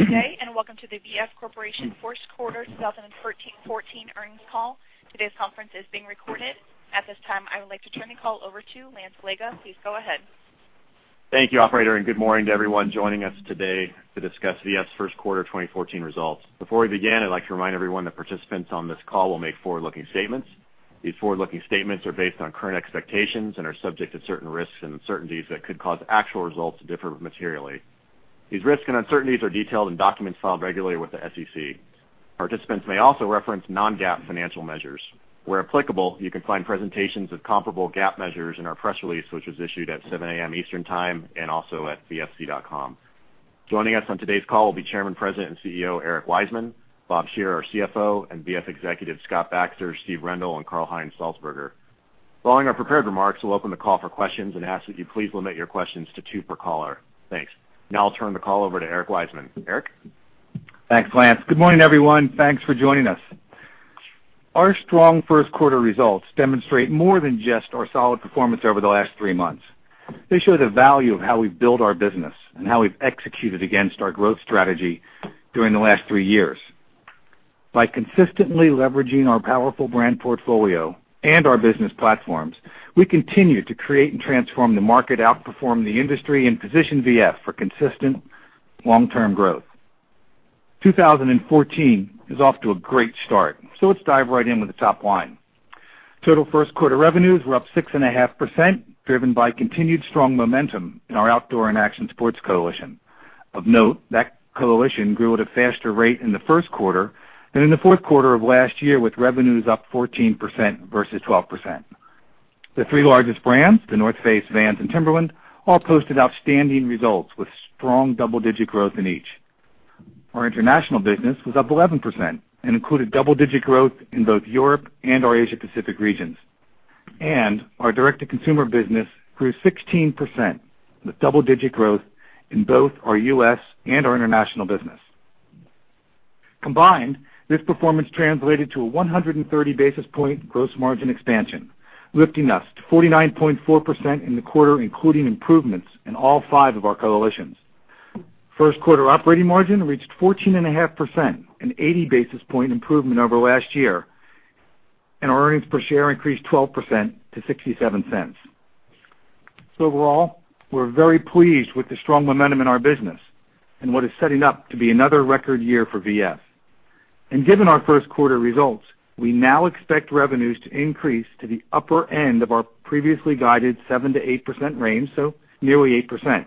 Good day, and welcome to the V.F. Corporation first quarter 2014 earnings call. Today's conference is being recorded. At this time, I would like to turn the call over to Lance Allega. Please go ahead. Thank you, operator, and good morning to everyone joining us today to discuss V.F.'s first quarter 2014 results. Before we begin, I'd like to remind everyone that participants on this call will make forward-looking statements. These forward-looking statements are based on current expectations and are subject to certain risks and uncertainties that could cause actual results to differ materially. These risks and uncertainties are detailed in documents filed regularly with the SEC. Participants may also reference non-GAAP financial measures. Where applicable, you can find presentations of comparable GAAP measures in our press release, which was issued at 7:00 A.M. Eastern Time, and also at vfc.com. Joining us on today's call will be Chairman, President, and CEO, Eric Wiseman; Bob Shearer, our CFO; and V.F. executives Scott Baxter, Steve Rendle, and Karl-Heinz Salzburger. Following our prepared remarks, we'll open the call for questions and ask that you please limit your questions to two per caller. Thanks. Now I'll turn the call over to Eric Wiseman. Eric? Thanks, Lance. Good morning, everyone. Thanks for joining us. Our strong first quarter results demonstrate more than just our solid performance over the last three months. They show the value of how we build our business and how we've executed against our growth strategy during the last three years. By consistently leveraging our powerful brand portfolio and our business platforms, we continue to create and transform the market, outperform the industry, and position V.F. for consistent long-term growth. 2014 is off to a great start. Let's dive right in with the top line. Total first quarter revenues were up 6.5%, driven by continued strong momentum in our outdoor and action sports coalition. Of note, that coalition grew at a faster rate in the first quarter than in the fourth quarter of last year, with revenues up 14% versus 12%. The three largest brands, The North Face, Vans, and Timberland, all posted outstanding results with strong double-digit growth in each. Our international business was up 11% and included double-digit growth in both Europe and our Asia Pacific regions. Our direct-to-consumer business grew 16%, with double-digit growth in both our U.S. and our international business. Combined, this performance translated to a 130-basis point gross margin expansion, lifting us to 49.4% in the quarter, including improvements in all five of our coalitions. First quarter operating margin reached 14.5%, an 80-basis point improvement over last year, our earnings per share increased 12% to $0.67. Overall, we're very pleased with the strong momentum in our business and what is setting up to be another record year for V.F. Given our first quarter results, we now expect revenues to increase to the upper end of our previously guided 7%-8% range, so nearly 8%.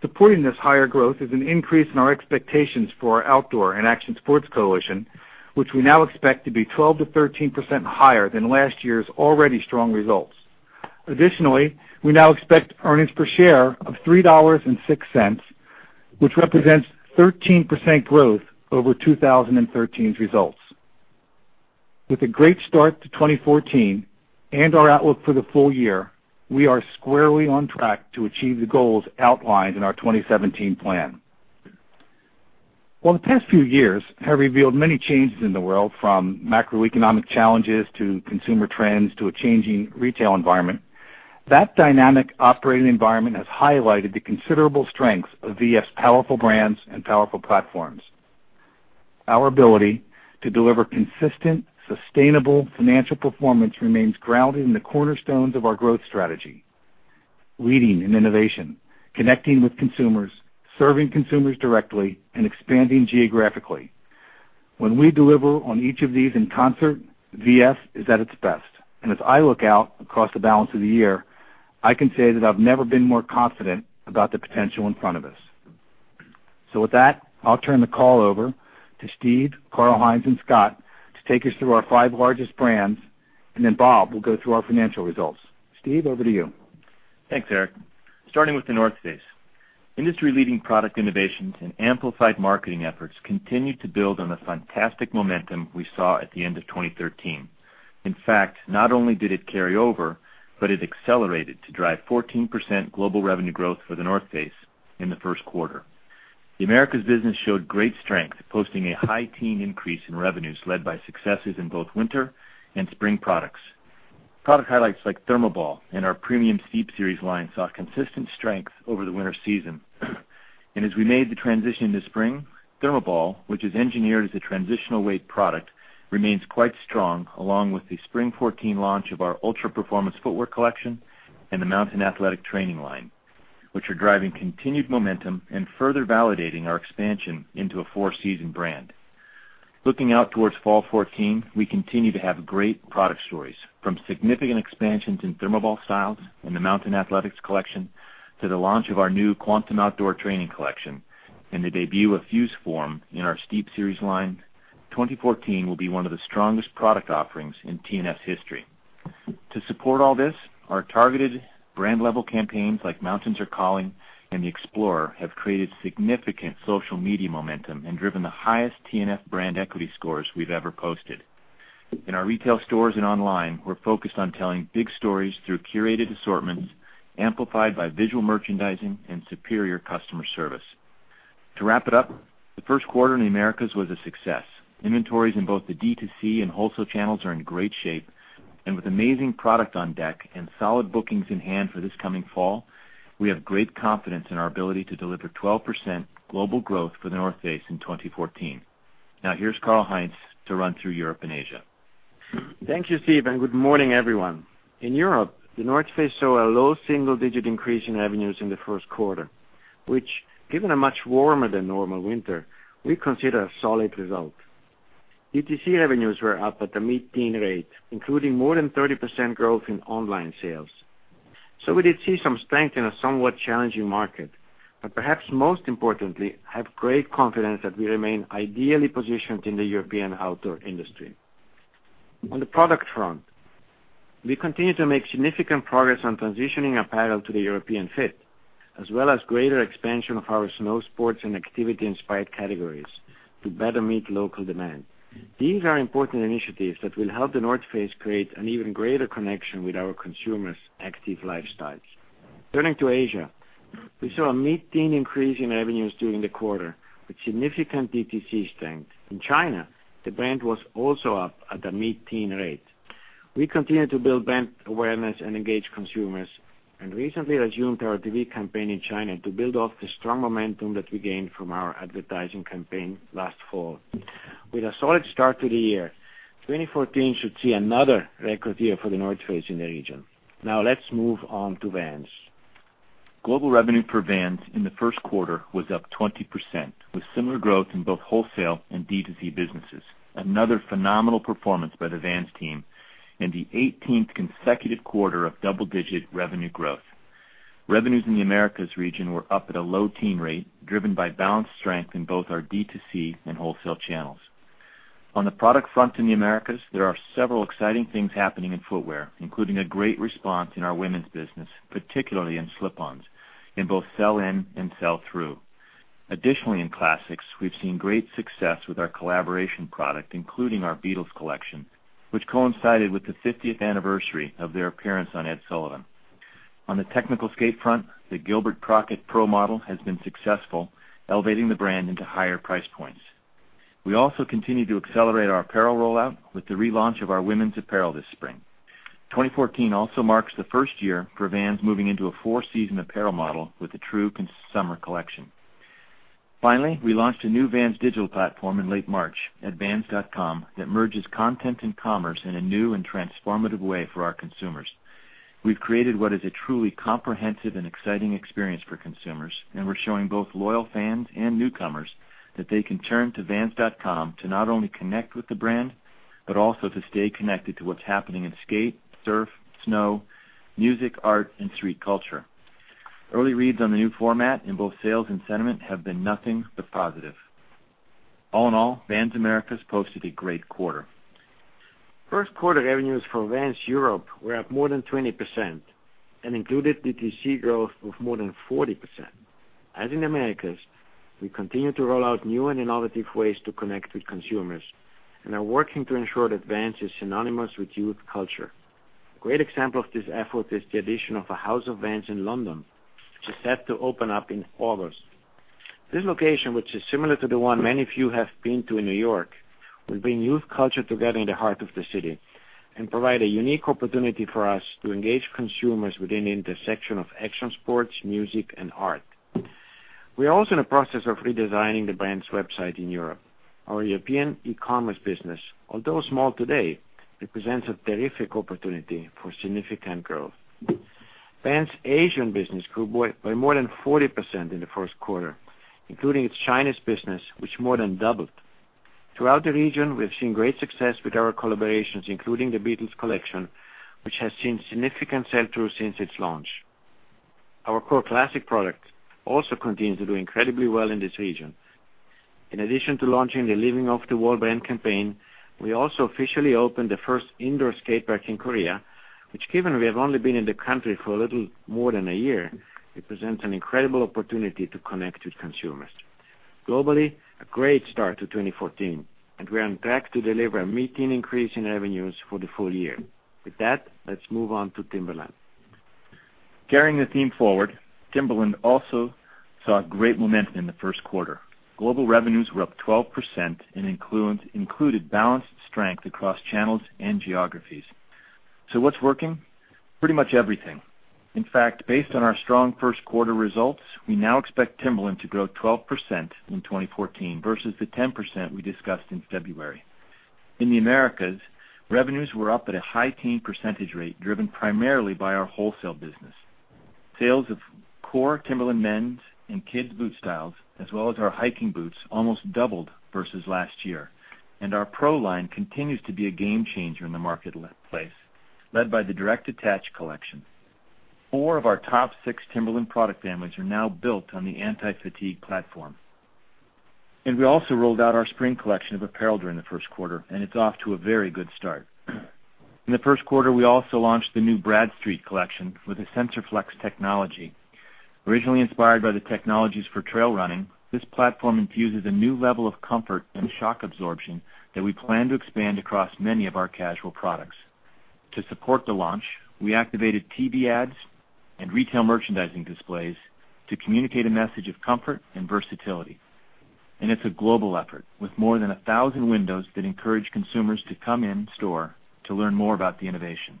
Supporting this higher growth is an increase in our expectations for our outdoor and action sports coalition, which we now expect to be 12%-13% higher than last year's already strong results. Additionally, we now expect earnings per share of $3.06, which represents 13% growth over 2013's results. With a great start to 2014 and our outlook for the full year, we are squarely on track to achieve the goals outlined in our 2017 Growth Plan. While the past few years have revealed many changes in the world, from macroeconomic challenges to consumer trends to a changing retail environment, that dynamic operating environment has highlighted the considerable strengths of V.F.'s powerful brands and powerful platforms. Our ability to deliver consistent, sustainable financial performance remains grounded in the cornerstones of our growth strategy: leading in innovation, connecting with consumers, serving consumers directly, and expanding geographically. When we deliver on each of these in concert, V.F. is at its best. As I look out across the balance of the year, I can say that I've never been more confident about the potential in front of us. With that, I'll turn the call over to Steve, Karl-Heinz, and Scott to take us through our five largest brands, then Bob will go through our financial results. Steve, over to you. Thanks, Eric. Starting with The North Face. Industry-leading product innovations and amplified marketing efforts continued to build on the fantastic momentum we saw at the end of 2013. In fact, not only did it carry over, but it accelerated to drive 14% global revenue growth for The North Face in the first quarter. The Americas business showed great strength, posting a high teen increase in revenues led by successes in both winter and spring products. Product highlights like ThermoBall and our premium Steep Series line saw consistent strength over the winter season. As we made the transition to spring, ThermoBall, which is engineered as a transitional weight product, remains quite strong, along with the spring 2014 launch of our ultra performance footwear collection and the Mountain Athletics training line, which are driving continued momentum and further validating our expansion into a four-season brand. Looking out towards fall 2014, we continue to have great product stories, from significant expansions in ThermoBall styles and the Mountain Athletics collection to the launch of our new Quantum outdoor training collection and the debut of FuseForm in our Steep Series line, 2014 will be one of the strongest product offerings in TNF's history. To support all this, our targeted brand-level campaigns like Mountains are Calling and The Explorer have created significant social media momentum and driven the highest TNF brand equity scores we've ever posted. In our retail stores and online, we're focused on telling big stories through curated assortments, amplified by visual merchandising and superior customer service. To wrap it up, the first quarter in the Americas was a success. Inventories in both the D2C and wholesale channels are in great shape. With amazing product on deck and solid bookings in hand for this coming fall, we have great confidence in our ability to deliver 12% global growth for The North Face in 2014. Now here's Karl-Heinz to run through Europe and Asia. Thank you, Steve, and good morning, everyone. In Europe, The North Face saw a low single-digit increase in revenues in the first quarter, which, given a much warmer than normal winter, we consider a solid result. DTC revenues were up at the mid-teen rate, including more than 30% growth in online sales. We did see some strength in a somewhat challenging market, perhaps most importantly, have great confidence that we remain ideally positioned in the European outdoor industry. On the product front, we continue to make significant progress on transitioning apparel to the European fit, as well as greater expansion of our snow sports and activity-inspired categories to better meet local demand. These are important initiatives that will help The North Face create an even greater connection with our consumers' active lifestyles. Turning to Asia, we saw a mid-teen increase in revenues during the quarter with significant DTC strength. In China, the brand was also up at a mid-teen rate. We continue to build brand awareness and engage consumers and recently resumed our TV campaign in China to build off the strong momentum that we gained from our advertising campaign last fall. With a solid start to the year, 2014 should see another record year for The North Face in the region. Now let's move on to Vans. Global revenue for Vans in the first quarter was up 20%, with similar growth in both wholesale and D2C businesses. Another phenomenal performance by the Vans team and the 18th consecutive quarter of double-digit revenue growth. Revenues in the Americas region were up at a low teen rate, driven by balanced strength in both our D2C and wholesale channels. On the product front in the Americas, there are several exciting things happening in footwear, including a great response in our women's business, particularly in slip-ons, in both sell-in and sell-through. Additionally, in classics, we've seen great success with our collaboration product, including our Beatles collection, which coincided with the 50th anniversary of their appearance on Ed Sullivan. On the technical skate front, the Gilbert Crockett pro model has been successful, elevating the brand into higher price points. We also continue to accelerate our apparel rollout with the relaunch of our women's apparel this spring. 2014 also marks the first year for Vans moving into a four-season apparel model with a true summer collection. We launched a new Vans digital platform in late March at vans.com that merges content and commerce in a new and transformative way for our consumers. We've created what is a truly comprehensive and exciting experience for consumers, and we're showing both loyal fans and newcomers that they can turn to vans.com to not only connect with the brand, but also to stay connected to what's happening in skate, surf, snow, music, art, and street culture. Early reads on the new format in both sales and sentiment have been nothing but positive. Vans Americas posted a great quarter. First quarter revenues for Vans Europe were up more than 20% and included DTC growth of more than 40%. As in the Americas, we continue to roll out new and innovative ways to connect with consumers and are working to ensure that Vans is synonymous with youth culture. A great example of this effort is the addition of a House of Vans in London, which is set to open up in August. This location, which is similar to the one many of you have been to in New York, will bring youth culture together in the heart of the city and provide a unique opportunity for us to engage consumers within the intersection of action sports, music, and art. We are also in the process of redesigning the brand's website in Europe. Our European e-commerce business, although small today, represents a terrific opportunity for significant growth. Vans' Asian business grew by more than 40% in the first quarter, including its Chinese business, which more than doubled. Throughout the region, we have seen great success with our collaborations, including the Beatles collection, which has seen significant sell-through since its launch. Our core classic product also continues to do incredibly well in this region. In addition to launching the Living Off the Wall brand campaign, we also officially opened the first indoor skate park in Korea, which given we have only been in the country for a little more than a year, represents an incredible opportunity to connect with consumers. Globally, a great start to 2014, and we are on track to deliver a mid-teen increase in revenues for the full year. With that, let's move on to Timberland. Carrying the theme forward, Timberland also saw great momentum in the first quarter. Global revenues were up 12% and included balanced strength across channels and geographies. What's working? Pretty much everything. In fact, based on our strong first quarter results, we now expect Timberland to grow 12% in 2014 versus the 10% we discussed in February. In the Americas, revenues were up at a high teen percentage rate, driven primarily by our wholesale business. Sales of core Timberland men's and kids' boot styles, as well as our hiking boots, almost doubled versus last year, and our pro line continues to be a game changer in the marketplace, led by the Direct Attach collection. Four of our top six Timberland product families are now built on the Anti-Fatigue platform. We also rolled out our spring collection of apparel during the first quarter, and it's off to a very good start. In the first quarter, we also launched the new Bradstreet collection with the SensorFlex technology. Originally inspired by the technologies for trail running, this platform infuses a new level of comfort and shock absorption that we plan to expand across many of our casual products. To support the launch, we activated TV ads and retail merchandising displays to communicate a message of comfort and versatility. It's a global effort with more than 1,000 windows that encourage consumers to come in store to learn more about the innovation.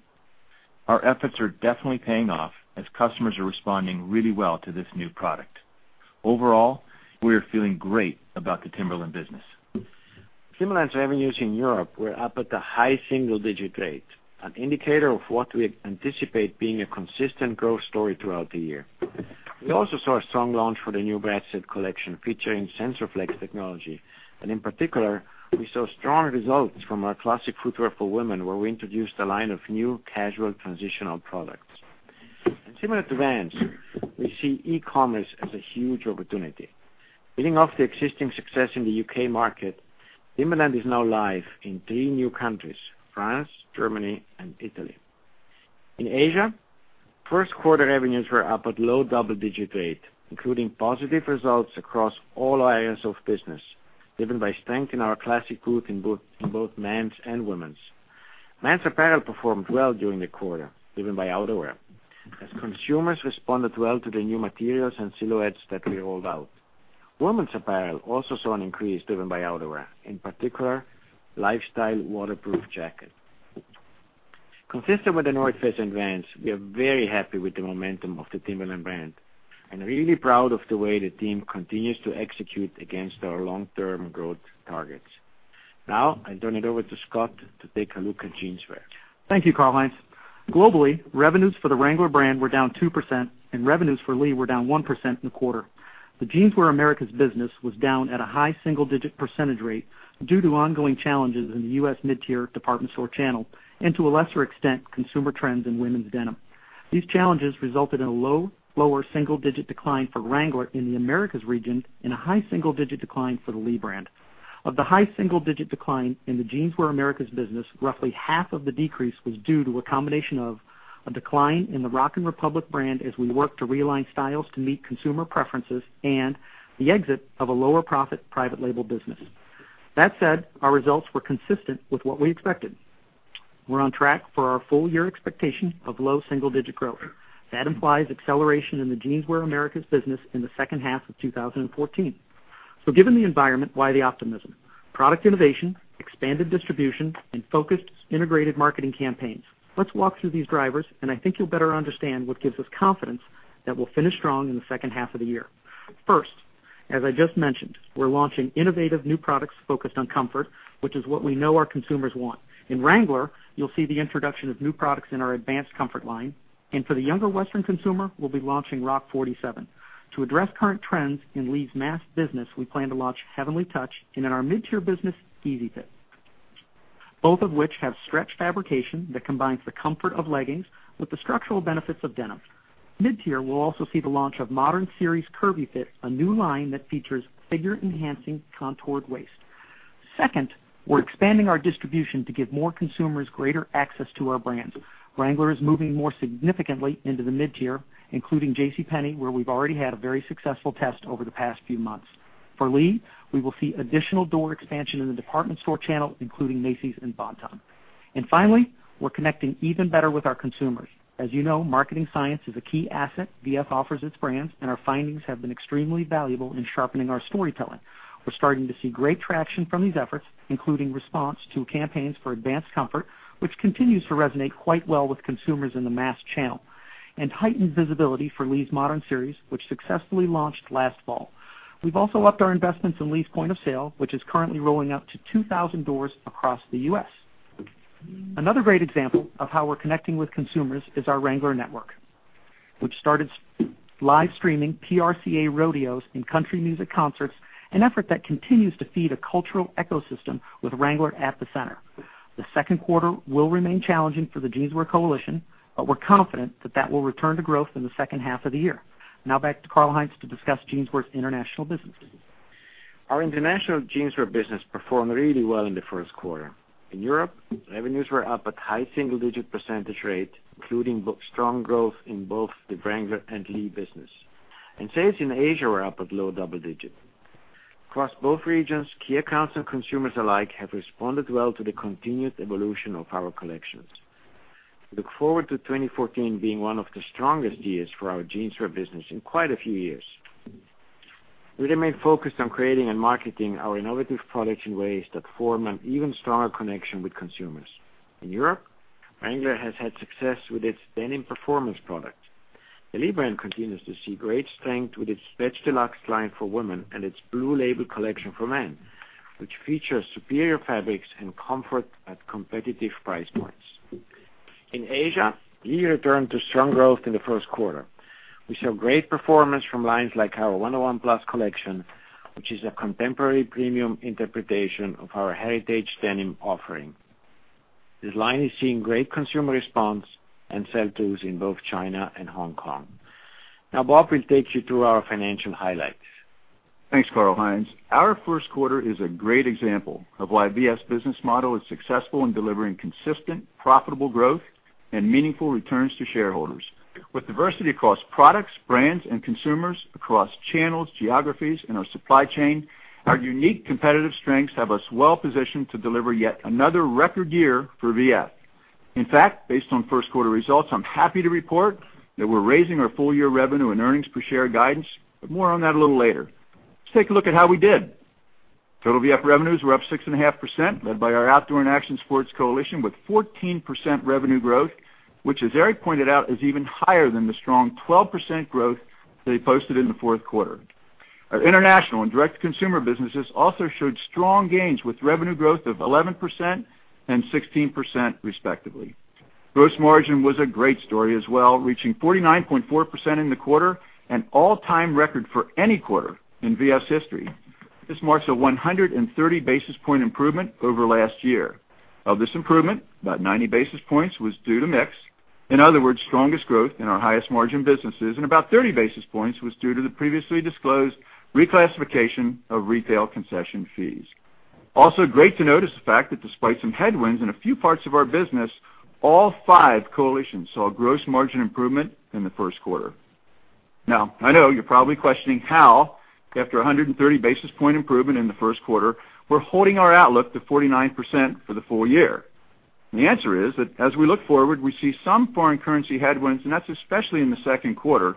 Our efforts are definitely paying off as customers are responding really well to this new product. Overall, we are feeling great about the Timberland business. Timberland's revenues in Europe were up at the high single-digit rate, an indicator of what we anticipate being a consistent growth story throughout the year. We also saw a strong launch for the new Bradstreet collection featuring SensorFlex technology. In particular, we saw strong results from our classic footwear for women, where we introduced a line of new casual transitional products. Similar to Vans, we see e-commerce as a huge opportunity. Building off the existing success in the U.K. market, Timberland is now live in three new countries, France, Germany, and Italy. In Asia, first quarter revenues were up at low double-digit rate, including positive results across all areas of business, driven by strength in our classic boot in both men's and women's. Men's apparel performed well during the quarter, driven by outerwear. As consumers responded well to the new materials and silhouettes that we rolled out. Women's apparel also saw an increase driven by outerwear, in particular, Lifestyle waterproof jacket. Consistent with The North Face and Vans, we are very happy with the momentum of the Timberland brand, and really proud of the way the team continues to execute against our long-term growth targets. Now, I turn it over to Scott to take a look at Jeanswear. Thank you, Karl-Heinz. Globally, revenues for the Wrangler brand were down 2%, and revenues for Lee were down 1% in the quarter. The Jeanswear Americas business was down at a high single-digit percentage rate due to ongoing challenges in the U.S. mid-tier department store channel and, to a lesser extent, consumer trends in women's denim. These challenges resulted in a lower single-digit decline for Wrangler in the Americas region and a high single-digit decline for the Lee brand. Of the high single-digit decline in the Jeanswear Americas business, roughly half of the decrease was due to a combination of a decline in the Rock & Republic brand as we work to realign styles to meet consumer preferences and the exit of a lower profit private label business. That said, our results were consistent with what we expected. We're on track for our full-year expectation of low single-digit growth. Given the environment, why the optimism? Product innovation, expanded distribution, and focused integrated marketing campaigns. Let's walk through these drivers, and I think you'll better understand what gives us confidence that we'll finish strong in the second half of 2014. First, as I just mentioned, we're launching innovative new products focused on comfort, which is what we know our consumers want. In Wrangler, you'll see the introduction of new products in our Advanced Comfort line. For the younger Western consumer, we'll be launching Rock 47. To address current trends in Lee's mass business, we plan to launch Heavenly Touch, in our mid-tier business, Easy Fit. Both of which have stretch fabrication that combines the comfort of leggings with the structural benefits of denim. Mid-tier will also see the launch of Modern Series Curvy Fit, a new line that features figure-enhancing contoured waist. Second, we're expanding our distribution to give more consumers greater access to our brands. Wrangler is moving more significantly into the mid-tier, including JCPenney, where we've already had a very successful test over the past few months. For Lee, we will see additional door expansion in the department store channel, including Macy's and Bon-Ton. Finally, we're connecting even better with our consumers. As you know, marketing science is a key asset VF offers its brands, and our findings have been extremely valuable in sharpening our storytelling. We're starting to see great traction from these efforts, including response to campaigns for Advanced Comfort, which continues to resonate quite well with consumers in the mass channel, and heightened visibility for Lee's Modern Series, which successfully launched last fall. We've also upped our investments in Lee's point of sale, which is currently rolling out to 2,000 doors across the U.S. Another great example of how we're connecting with consumers is our Wrangler Network, which started live streaming PRCA rodeos and country music concerts, an effort that continues to feed a cultural ecosystem with Wrangler at the center. The second quarter will remain challenging for the Jeanswear coalition, but we're confident that that will return to growth in the second half of the year. Now back to Karl-Heinz to discuss Jeanswear's international business. Our international Jeanswear business performed really well in the first quarter. In Europe, revenues were up at high single-digit percentage rate, including strong growth in both the Wrangler and Lee business. Sales in Asia were up at low double-digit. Across both regions, key accounts and consumers alike have responded well to the continued evolution of our collections. We look forward to 2014 being one of the strongest years for our Jeanswear business in quite a few years. We remain focused on creating and marketing our innovative products in ways that form an even stronger connection with consumers. In Europe, Wrangler has had success with its Denim Performance product. The Lee brand continues to see great strength with its Stretch Deluxe line for women and its Blue Label collection for men, which features superior fabrics and comfort at competitive price points. In Asia, Lee returned to strong growth in the first quarter. We saw great performance from lines like our 101+ collection, which is a contemporary premium interpretation of our heritage denim offering. This line is seeing great consumer response and sell-throughs in both China and Hong Kong. Now Bob will take you through our financial highlights. Thanks, Karl-Heinz. Our first quarter is a great example of why V.F.'s business model is successful in delivering consistent, profitable growth and meaningful returns to shareholders. With diversity across products, brands, and consumers, across channels, geographies, and our supply chain, our unique competitive strengths have us well positioned to deliver yet another record year for V.F. In fact, based on first quarter results, I'm happy to report that we're raising our full-year revenue and earnings per share guidance. More on that a little later. Let's take a look at how we did. Total V.F. revenues were up 6.5%, led by our Outdoor and Action Sports coalition, with 14% revenue growth, which, as Eric pointed out, is even higher than the strong 12% growth they posted in the fourth quarter. Our international and direct-to-consumer businesses also showed strong gains, with revenue growth of 11% and 16%, respectively. Gross margin was a great story as well, reaching 49.4% in the quarter, an all-time record for any quarter in V.F.'s history. This marks a 130-basis-points improvement over last year. Of this improvement, about 90 basis points was due to mix. In other words, strongest growth in our highest margin businesses, about 30 basis points was due to the previously disclosed reclassification of retail concession fees. Also great to note is the fact that despite some headwinds in a few parts of our business, all five coalitions saw a gross margin improvement in the first quarter. I know you're probably questioning how, after 130-basis-points improvement in the first quarter, we're holding our outlook to 49% for the full year. The answer is that as we look forward, we see some foreign currency headwinds, that's especially in the second quarter.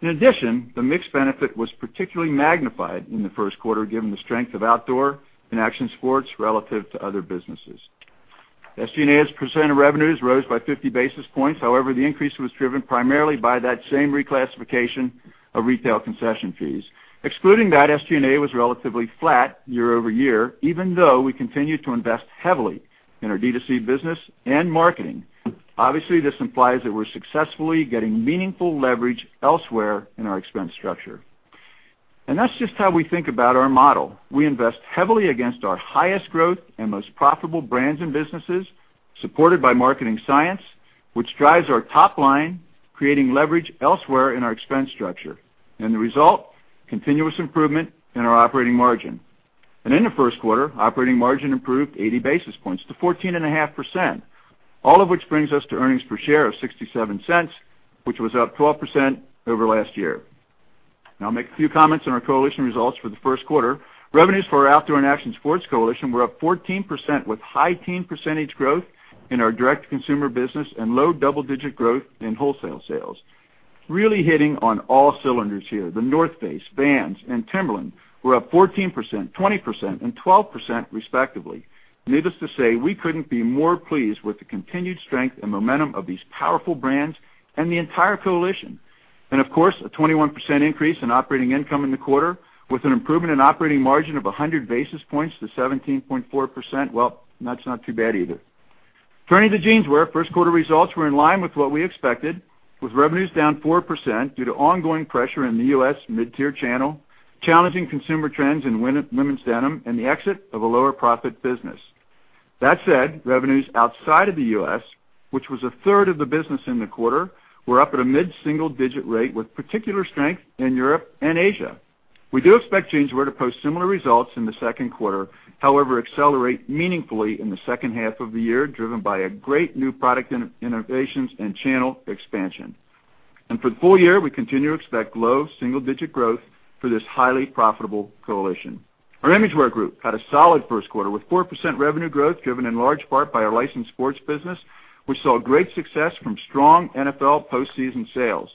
In addition, the mix benefit was particularly magnified in the first quarter, given the strength of Outdoor and Action Sports relative to other businesses. SG&A as a percent of revenues rose by 50 basis points. However, the increase was driven primarily by that same reclassification of retail concession fees. Excluding that, SG&A was relatively flat year-over-year, even though we continued to invest heavily in our D2C business and marketing. Obviously, this implies that we're successfully getting meaningful leverage elsewhere in our expense structure. That's just how we think about our model. We invest heavily against our highest growth and most profitable brands and businesses, supported by marketing science, which drives our top line, creating leverage elsewhere in our expense structure. The result, continuous improvement in our operating margin. In the first quarter, operating margin improved 80 basis points to 14.5%, all of which brings us to earnings per share of $0.67, which was up 12% over last year. I'll make a few comments on our coalition results for the first quarter. Revenues for our Outdoor and Action Sports coalition were up 14%, with high teen percentage growth in our direct-to-consumer business and low double-digit growth in wholesale sales. Really hitting on all cylinders here. The North Face, Vans, and Timberland were up 14%, 20%, and 12%, respectively. Needless to say, we couldn't be more pleased with the continued strength and momentum of these powerful brands and the entire coalition. Of course, a 21% increase in operating income in the quarter with an improvement in operating margin of 100 basis points to 17.4%, well, that's not too bad either. Turning to Jeanswear, first quarter results were in line with what we expected, with revenues down 4% due to ongoing pressure in the U.S. mid-tier channel, challenging consumer trends in women's denim, and the exit of a lower-profit business. That said, revenues outside of the U.S., which was a third of the business in the quarter, were up at a mid-single-digit rate, with particular strength in Europe and Asia. We do expect Jeanswear to post similar results in the second quarter. However, accelerate meaningfully in the second half of the year, driven by great new product innovations and channel expansion. For the full year, we continue to expect low single-digit growth for this highly profitable coalition. Our Imagewear group had a solid first quarter, with 4% revenue growth, driven in large part by our licensed sports business, which saw great success from strong NFL postseason sales.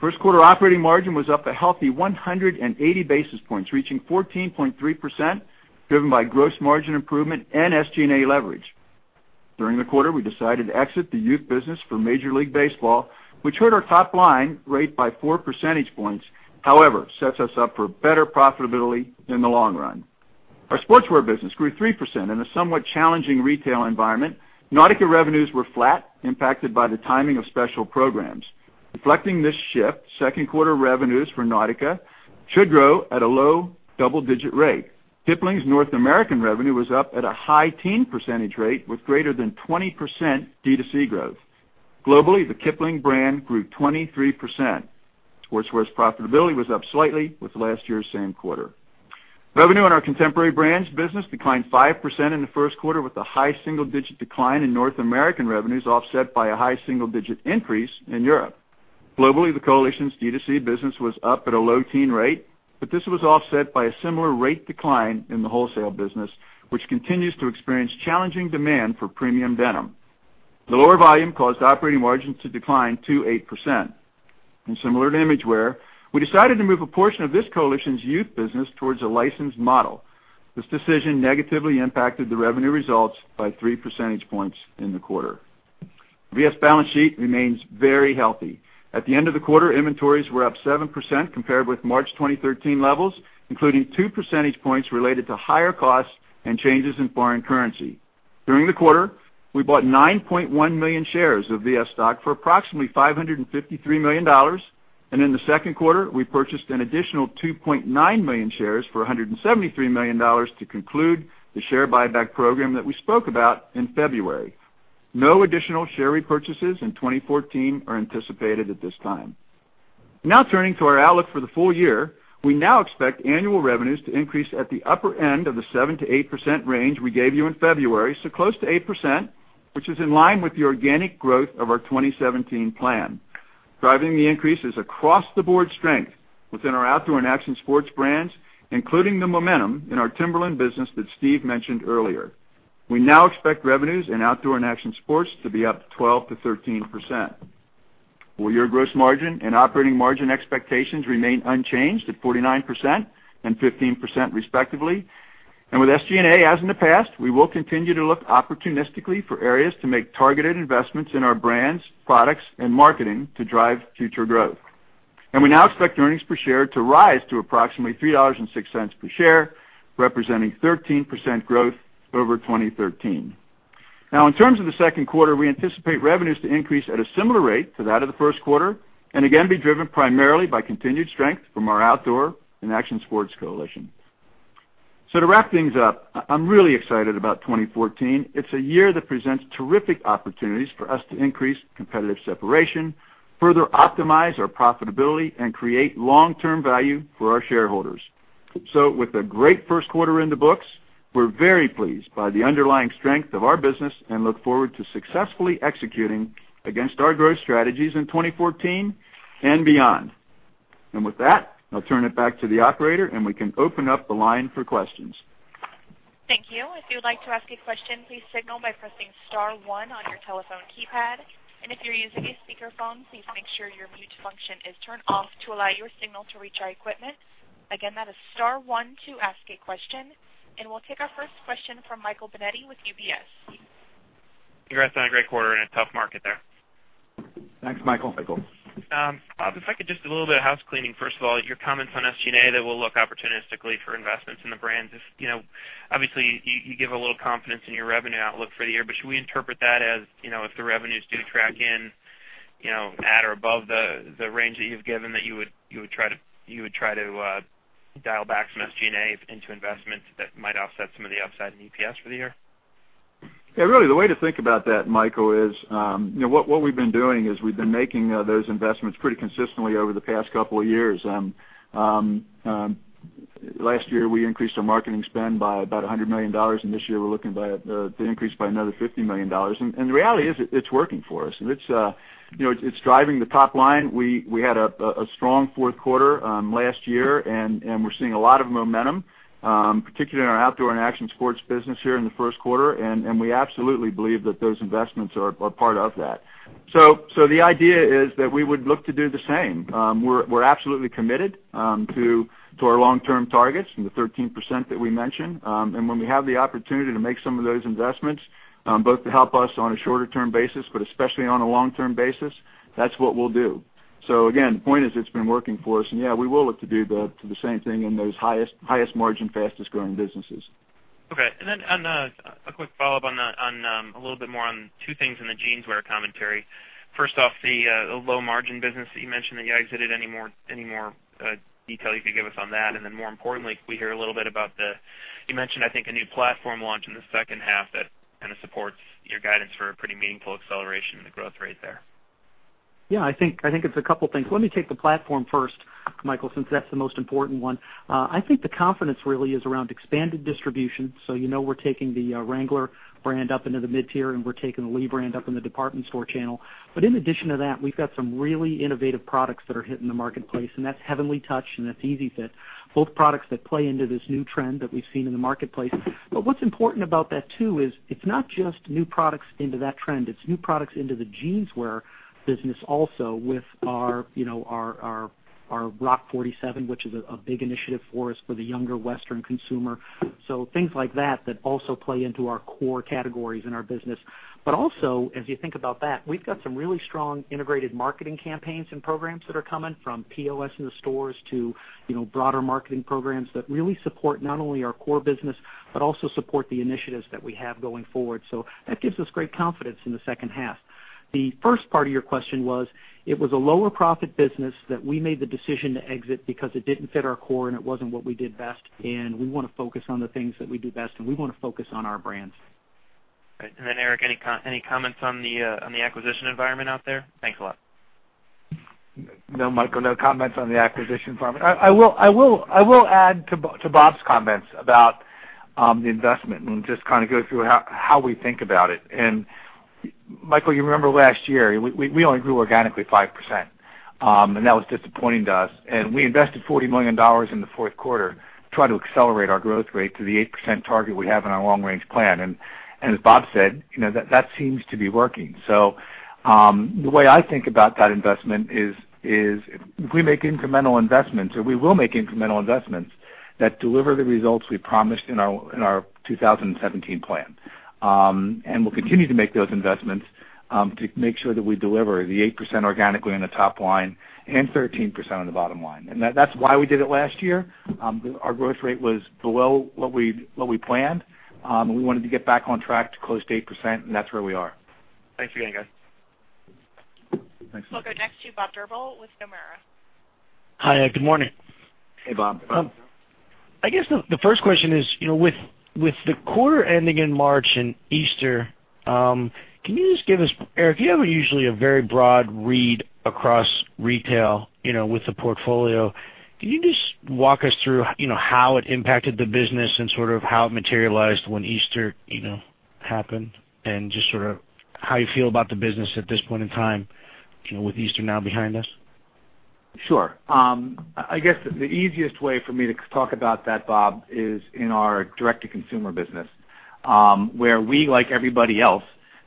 First quarter operating margin was up a healthy 180 basis points, reaching 14.3%, driven by gross margin improvement and SG&A leverage. During the quarter, we decided to exit the youth business for Major League Baseball, which hurt our top-line rate by four percentage points, however, sets us up for better profitability in the long run. Our Sportswear business grew 3% in a somewhat challenging retail environment. Nautica revenues were flat, impacted by the timing of special programs. Reflecting this shift, second-quarter revenues for Nautica should grow at a low double-digit rate. Kipling's North American revenue was up at a high teen percentage rate, with greater than 20% D2C growth. Globally, the Kipling brand grew 23%. Sportswear's profitability was up slightly with last year's same quarter. Revenue in our Contemporary Brands business declined 5% in the first quarter with a high single-digit decline in North American revenues, offset by a high single-digit increase in Europe. Globally, the coalition's D2C business was up at a low teen rate, this was offset by a similar rate decline in the wholesale business, which continues to experience challenging demand for premium denim. The lower volume caused operating margins to decline 28%. Similar to Imagewear, we decided to move a portion of this coalition's youth business towards a licensed model. This decision negatively impacted the revenue results by three percentage points in the quarter. VF's balance sheet remains very healthy. At the end of the quarter, inventories were up 7% compared with March 2013 levels, including two percentage points related to higher costs and changes in foreign currency. During the quarter, we bought 9.1 million shares of VF stock for approximately $553 million, in the second quarter, we purchased an additional 2.9 million shares for $173 million to conclude the share buyback program that we spoke about in February. No additional share repurchases in 2014 are anticipated at this time. Turning to our outlook for the full year. We now expect annual revenues to increase at the upper end of the 7%-8% range we gave you in February, so close to 8%, which is in line with the organic growth of our 2017 plan. Driving the increase is across-the-board strength within our Outdoor & Action Sports brands, including the momentum in our Timberland business that Steve mentioned earlier. We now expect revenues in Outdoor & Action Sports to be up 12%-13%. Full-year gross margin and operating margin expectations remain unchanged at 49% and 15%, respectively. With SG&A, as in the past, we will continue to look opportunistically for areas to make targeted investments in our brands, products, and marketing to drive future growth. We now expect earnings per share to rise to approximately $3.06 per share, representing 13% growth over 2013. In terms of the second quarter, we anticipate revenues to increase at a similar rate to that of the first quarter, and again, be driven primarily by continued strength from our Outdoor & Action Sports coalition. To wrap things up, I'm really excited about 2014. It's a year that presents terrific opportunities for us to increase competitive separation, further optimize our profitability, and create long-term value for our shareholders. With a great first quarter in the books, we're very pleased by the underlying strength of our business and look forward to successfully executing against our growth strategies in 2014 and beyond. With that, I'll turn it back to the operator, and we can open up the line for questions. Thank you. If you would like to ask a question, please signal by pressing star one on your telephone keypad. If you're using a speakerphone, please make sure your mute function is turned off to allow your signal to reach our equipment. Again, that is star 1 to ask a question, and we'll take our first question from Michael Binetti with UBS. Congrats on a great quarter in a tough market there. Thanks, Michael. Bob, if I could just a little bit of housecleaning. First of all, your comments on SG&A that we'll look opportunistically for investments in the brands. Obviously, you give a little confidence in your revenue outlook for the year, should we interpret that as, if the revenues do track in at or above the range that you've given, that you would try to dial back some SG&A into investments that might offset some of the upside in EPS for the year? Really, the way to think about that, Michael, is what we've been doing is we've been making those investments pretty consistently over the past couple of years. Last year, we increased our marketing spend by about $100 million, and this year we're looking to increase by another $50 million. The reality is it's working for us, and it's driving the top line. We had a strong fourth quarter last year, and we're seeing a lot of momentum, particularly in our outdoor and action sports business here in the first quarter, and we absolutely believe that those investments are part of that. The idea is that we would look to do the same. We're absolutely committed to our long-term targets and the 13% that we mentioned. When we have the opportunity to make some of those investments, both to help us on a shorter-term basis, but especially on a long-term basis, that's what we'll do. Again, the point is it's been working for us. We will look to do the same thing in those highest margin, fastest-growing businesses. Okay. A quick follow-up on a little bit more on two things in the jeanswear commentary. First off, the low-margin business that you mentioned that you exited. Any more detail you could give us on that? More importantly, could we hear a little bit about the, you mentioned, I think, a new platform launch in the second half that kind of supports your guidance for a pretty meaningful acceleration in the growth rate there. I think it's a couple things. Let me take the platform first, Michael, since that's the most important one. I think the confidence really is around expanded distribution. You know we're taking the Wrangler brand up into the mid-tier, and we're taking the Lee brand up in the department store channel. In addition to that, we've got some really innovative products that are hitting the marketplace, and that's Heavenly Touch and that's Easy Fit, both products that play into this new trend that we've seen in the marketplace. What's important about that too is it's not just new products into that trend, it's new products into the jeanswear business also with our Rock 47, which is a big initiative for us for the younger Western consumer. Things like that also play into our core categories in our business. Also, as you think about that, we've got some really strong integrated marketing campaigns and programs that are coming from POS in the stores to broader marketing programs that really support not only our core business, but also support the initiatives that we have going forward. That gives us great confidence in the second half. The first part of your question was, it was a lower profit business that we made the decision to exit because it didn't fit our core, and it wasn't what we did best, and we want to focus on the things that we do best, and we want to focus on our brands. Right. Then Eric, any comments on the acquisition environment out there? Thanks a lot. No, Michael, no comments on the acquisition environment. I will add to Bob's comments about the investment and just kind of go through how we think about it. Michael, you remember last year, we only grew organically 5%, and that was disappointing to us. We invested $40 million in the fourth quarter to try to accelerate our growth rate to the 8% target we have in our long-range plan. As Bob said, that seems to be working. The way I think about that investment is if we make incremental investments, or we will make incremental investments that deliver the results we promised in our 2017 plan. We'll continue to make those investments to make sure that we deliver the 8% organically on the top line and 13% on the bottom line. That's why we did it last year. Our growth rate was below what we planned. We wanted to get back on track to close to 8%. That's where we are. Thanks again, guys. Thanks. We'll go next to Bob Drbul with Nomura. Hi. Good morning. Hey, Bob. I guess the first question is, with the quarter ending in March and Easter, Eric, you have usually a very broad read across retail with the portfolio. Can you just walk us through how it impacted the business and sort of how it materialized when Easter happen and just how you feel about the business at this point in time, with Easter now behind us. Sure. I guess the easiest way for me to talk about that, Bob, is in our direct-to-consumer business, where we, like everybody else,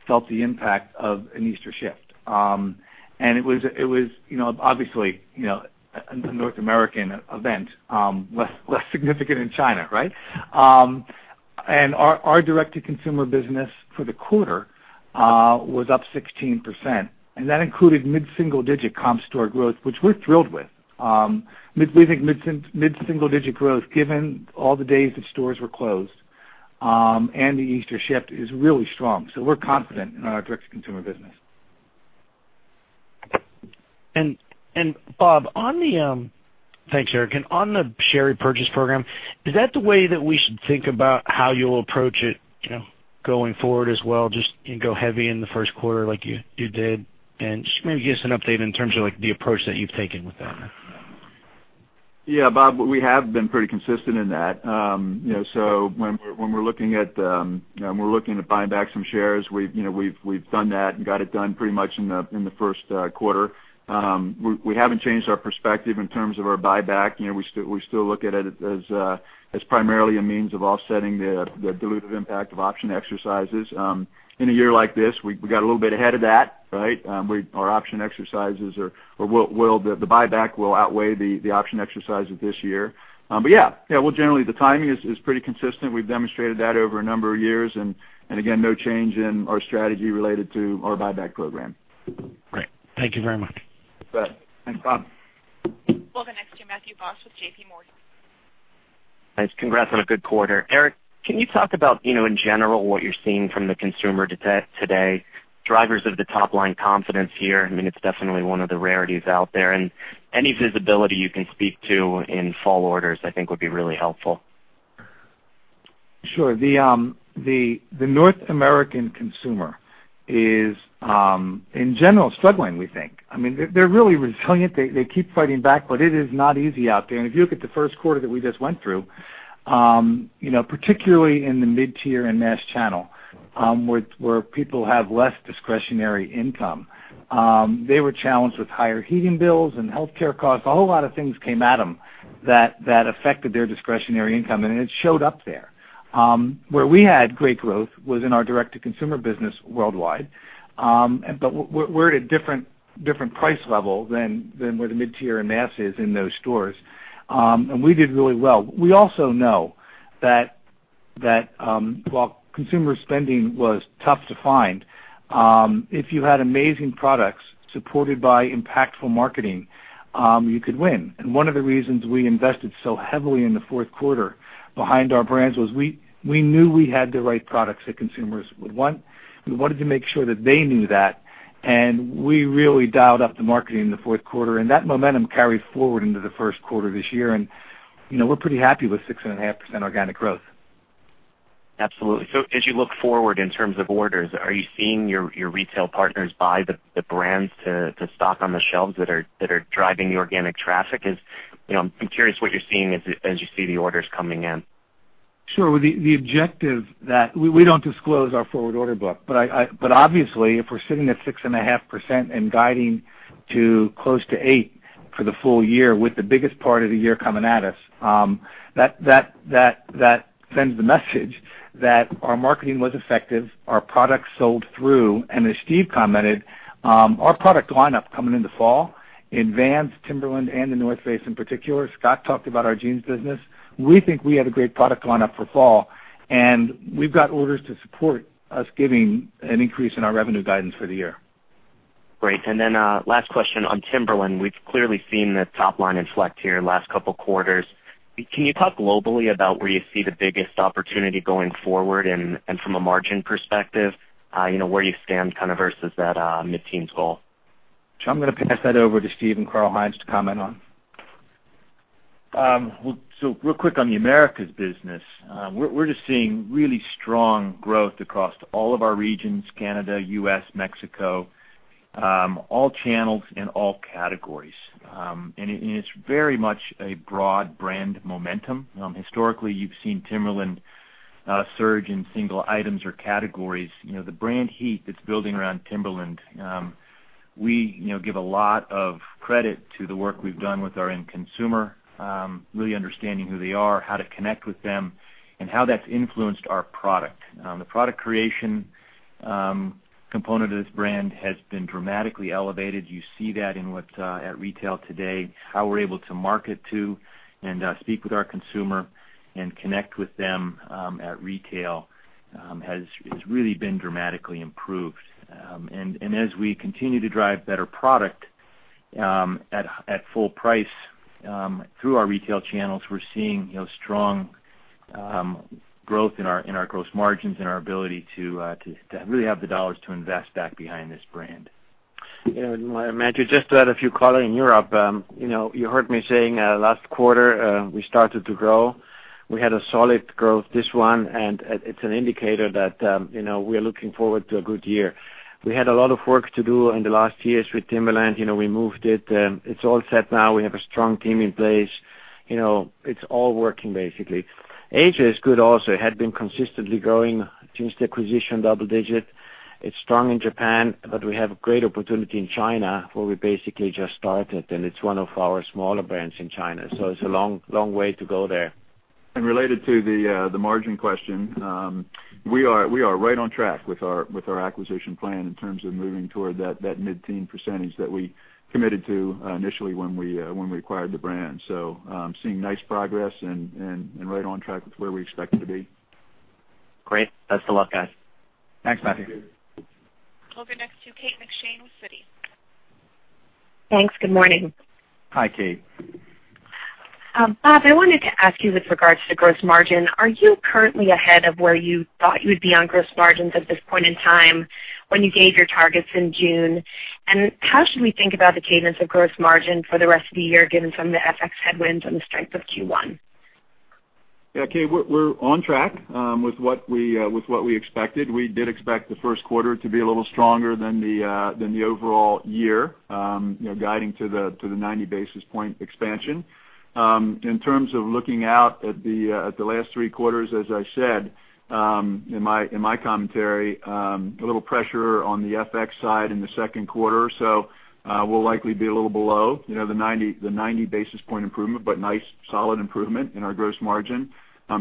felt the impact of an Easter shift. It was obviously, a North American event, less significant in China, right? Our direct-to-consumer business for the quarter was up 16%, and that included mid-single-digit comp store growth, which we're thrilled with. We think mid-single digit growth, given all the days that stores were closed, and the Easter shift, is really strong. We're confident in our direct-to-consumer business. Bob, thanks, Eric Wiseman. On the share repurchase program, is that the way that we should think about how you'll approach it, going forward as well, just go heavy in the first quarter like you did? Just maybe give us an update in terms of the approach that you've taken with that. Yeah, Bob, we have been pretty consistent in that. When we're looking at buying back some shares, we've done that and got it done pretty much in the first quarter. We haven't changed our perspective in terms of our buyback. We still look at it as primarily a means of offsetting the dilutive impact of option exercises. In a year like this, we got a little bit ahead of that, right? The buyback will outweigh the option exercises this year. Yeah. Generally, the timing is pretty consistent. We've demonstrated that over a number of years, and again, no change in our strategy related to our buyback program. Great. Thank you very much. You bet. Thanks, Bob. We'll go next to Matthew Boss with JPMorgan. Thanks. Congrats on a good quarter. Eric, can you talk about, in general, what you're seeing from the consumer today, drivers of the top-line confidence here? I mean, it's definitely one of the rarities out there. Any visibility you can speak to in fall orders, I think, would be really helpful. Sure. The North American consumer is, in general, struggling, we think. They're really resilient. They keep fighting back, but it is not easy out there. If you look at the first quarter that we just went through, particularly in the mid-tier and mass channel, where people have less discretionary income, they were challenged with higher heating bills and healthcare costs. A whole lot of things came at them that affected their discretionary income, and it showed up there. Where we had great growth was in our direct-to-consumer business worldwide. We're at a different price level than where the mid-tier and mass is in those stores. We did really well. We also know that while consumer spending was tough to find, if you had amazing products supported by impactful marketing, you could win. One of the reasons we invested so heavily in the fourth quarter behind our brands was we knew we had the right products that consumers would want. We wanted to make sure that they knew that. We really dialed up the marketing in the fourth quarter, and that momentum carried forward into the first quarter of this year, and we're pretty happy with 6.5% organic growth. Absolutely. As you look forward in terms of orders, are you seeing your retail partners buy the brands to stock on the shelves that are driving the organic traffic? I'm curious what you're seeing as you see the orders coming in. Sure. The objective we don't disclose our forward order book. Obviously, if we're sitting at 6.5% and guiding to close to eight for the full year with the biggest part of the year coming at us, that sends the message that our marketing was effective, our products sold through, and as Steve commented, our product lineup coming into fall in Vans, Timberland, and The North Face in particular. Scott talked about our jeans business. We think we have a great product lineup for fall, and we've got orders to support us giving an increase in our revenue guidance for the year. Great. Last question on Timberland. We've clearly seen the top line inflect here last couple quarters. Can you talk globally about where you see the biggest opportunity going forward and from a margin perspective, where you stand versus that mid-teens goal? I'm going to pass that over to Steve and Karl-Heinz to comment on. Real quick on the Americas business. We're just seeing really strong growth across all of our regions, Canada, U.S., Mexico, all channels and all categories. It's very much a broad brand momentum. Historically, you've seen Timberland surge in single items or categories. The brand heat that's building around Timberland, we give a lot of credit to the work we've done with our end consumer, really understanding who they are, how to connect with them, and how that's influenced our product. The product creation component of this brand has been dramatically elevated. You see that at retail today. How we're able to market to and speak with our consumer and connect with them at retail has really been dramatically improved. As we continue to drive better product at full price through our retail channels, we're seeing strong growth in our gross margins and our ability to really have the dollars to invest back behind this brand. Yeah, Matthew, just to add a few color in Europe. You heard me saying last quarter we started to grow. We had a solid growth this one. It's an indicator that we are looking forward to a good year. We had a lot of work to do in the last years with Timberland. We moved it. It's all set now. We have a strong team in place. It's all working basically. Asia is good also. It had been consistently growing since the acquisition, double-digit. It's strong in Japan, but we have great opportunity in China, where we basically just started. It's one of our smaller brands in China. It's a long way to go there. Related to the margin question, we are right on track with our acquisition plan in terms of moving toward that mid-teen percent that we committed to initially when we acquired the brand. Seeing nice progress and right on track with where we expect it to be. Great. Best of luck, guys. Thanks, Matthew. We'll go next to Kate McShane with Citi. Thanks. Good morning. Hi, Kate. Bob, I wanted to ask you with regards to gross margin, are you currently ahead of where you thought you would be on gross margins at this point in time when you gave your targets in June? How should we think about the cadence of gross margin for the rest of the year, given some of the FX headwinds and the strength of Q1? Yeah, Kate, we're on track with what we expected. We did expect the first quarter to be a little stronger than the overall year, guiding to the 90 basis points expansion. In terms of looking out at the last three quarters, as I said in my commentary, a little pressure on the FX side in the second quarter or so, we'll likely be a little below the 90 basis points improvement, but nice solid improvement in our gross margin.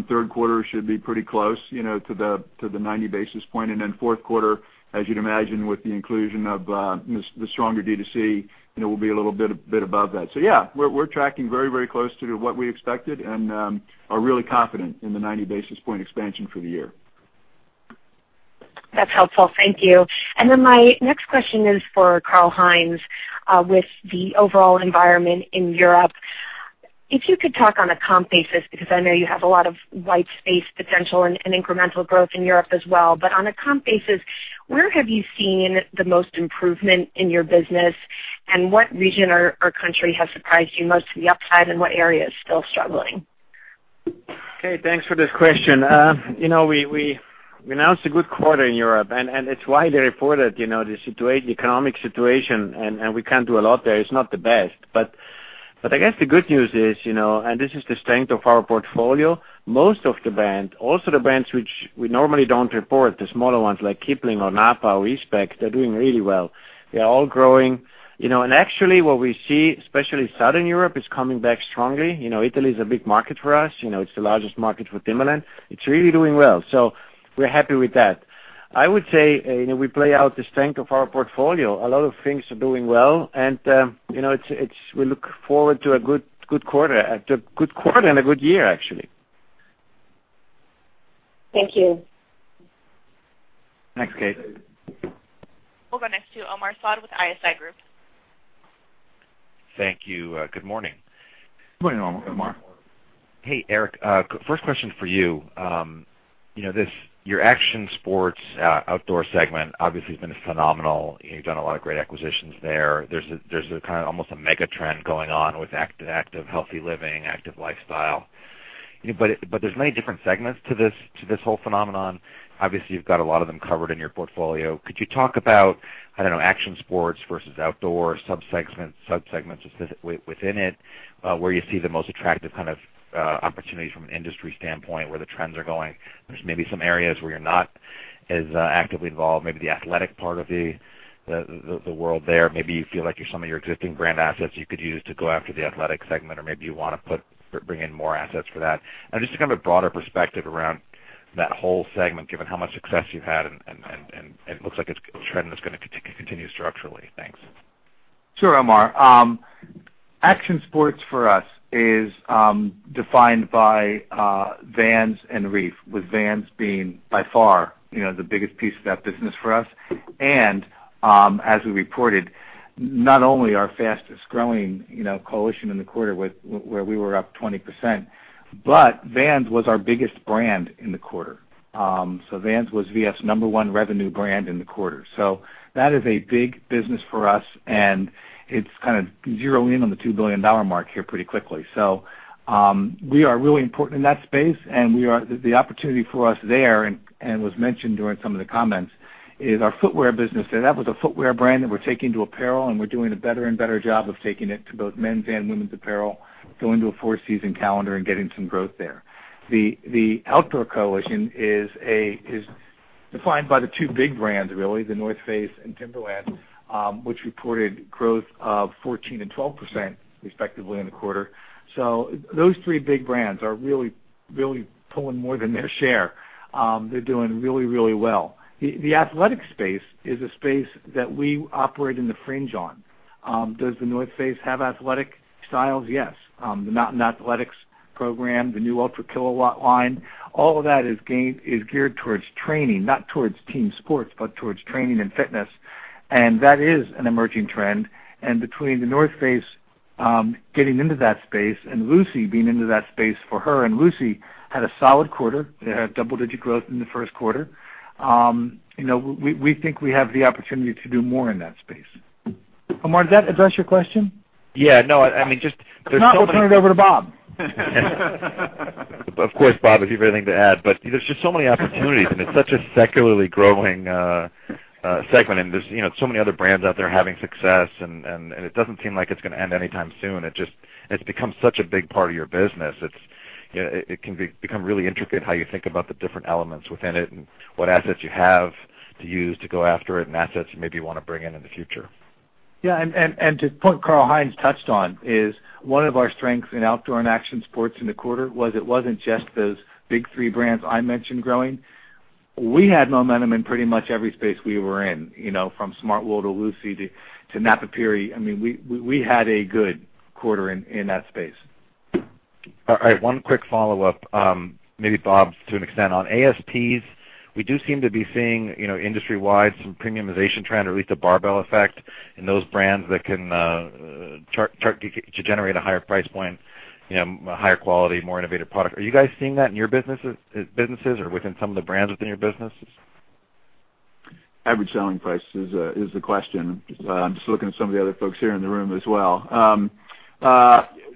Third quarter should be pretty close to the 90 basis points. Fourth quarter, as you'd imagine with the inclusion of the stronger D2C, will be a little bit above that. Yeah, we're tracking very close to what we expected and are really confident in the 90 basis points expansion for the year. That's helpful. Thank you. My next question is for Karl-Heinz. With the overall environment in Europe, if you could talk on a comp basis, because I know you have a lot of white space potential and incremental growth in Europe as well, but on a comp basis, where have you seen the most improvement in your business, and what region or country has surprised you most to the upside and what area is still struggling? Kate, thanks for this question. We announced a good quarter in Europe. It's widely reported, the economic situation. We can't do a lot there. It's not the best. I guess the good news is, this is the strength of our portfolio, most of the brand, also the brands which we normally don't report, the smaller ones like Kipling or Napapijri or Eastpak, they're doing really well. They are all growing. Actually what we see, especially Southern Europe, is coming back strongly. Italy is a big market for us. It's the largest market for Timberland. It's really doing well. So we're happy with that. I would say, we play out the strength of our portfolio. A lot of things are doing well and we look forward to a good quarter and a good year, actually. Thank you. Thanks, Kate. We'll go next to Omar Saad with ISI Group. Thank you. Good morning. Good morning, Omar. Hey, Eric. First question for you. Your action sports outdoor segment obviously has been phenomenal. You've done a lot of great acquisitions there. There's almost a mega trend going on with active, healthy living, active lifestyle. There's many different segments to this whole phenomenon. Obviously, you've got a lot of them covered in your portfolio. Could you talk about, I don't know, action sports versus outdoor subsegments within it, where you see the most attractive kind of opportunities from an industry standpoint, where the trends are going? There's maybe some areas where you're not as actively involved, maybe the athletic part of the world there. Maybe you feel like some of your existing brand assets you could use to go after the athletic segment, or maybe you want to bring in more assets for that. Just to get a broader perspective around that whole segment, given how much success you've had, and it looks like it's a trend that's going to continue structurally. Thanks. Sure, Omar. Action sports for us is defined by Vans and Reef, with Vans being by far the biggest piece of that business for us. As we reported, not only our fastest growing coalition in the quarter where we were up 20%, but Vans was our biggest brand in the quarter. Vans was V.F.'s number one revenue brand in the quarter. That is a big business for us, and it's kind of zeroing in on the $2 billion mark here pretty quickly. We are really important in that space, and the opportunity for us there, and was mentioned during some of the comments, is our footwear business there. That was a footwear brand that we're taking to apparel, and we're doing a better and better job of taking it to both men's and women's apparel, going to a four-season calendar and getting some growth there. The outdoor coalition is defined by the two big brands, really, The North Face and Timberland, which reported growth of 14% and 12%, respectively, in the quarter. Those three big brands are really pulling more than their share. They're doing really well. The athletic space is a space that we operate in the fringe on. Does The North Face have athletic styles? Yes. The Mountain Athletics program, the new Ultra Kilowatt line, all of that is geared towards training, not towards team sports, but towards training and fitness. That is an emerging trend. Between The North Face getting into that space and lucy being into that space for her, lucy had a solid quarter. They had double-digit growth in the first quarter. We think we have the opportunity to do more in that space. Omar, does that address your question? Yeah. No, I mean, just there's so many- If not, we'll turn it over to Bob. Of course, Bob, if you have anything to add. There's just so many opportunities. It's such a secularly growing segment. There's so many other brands out there having success. It doesn't seem like it's going to end anytime soon. It's become such a big part of your business. It can become really intricate how you think about the different elements within it and what assets you have to use to go after it and assets you maybe want to bring in in the future. To the point Karl-Heinz touched on is one of our strengths in Outdoor & Action Sports in the quarter was it wasn't just those big three brands I mentioned growing. We had momentum in pretty much every space we were in. From Smartwool to lucy to Napapijri. We had a good quarter in that space. One quick follow-up, maybe Bob to an extent. On ASPs, we do seem to be seeing, industry-wide, some premiumization trend, or at least a barbell effect in those brands that can chart to generate a higher price point, higher quality, more innovative product. Are you guys seeing that in your businesses or within some of the brands within your businesses? Average selling price is the question. Just looking at some of the other folks here in the room as well.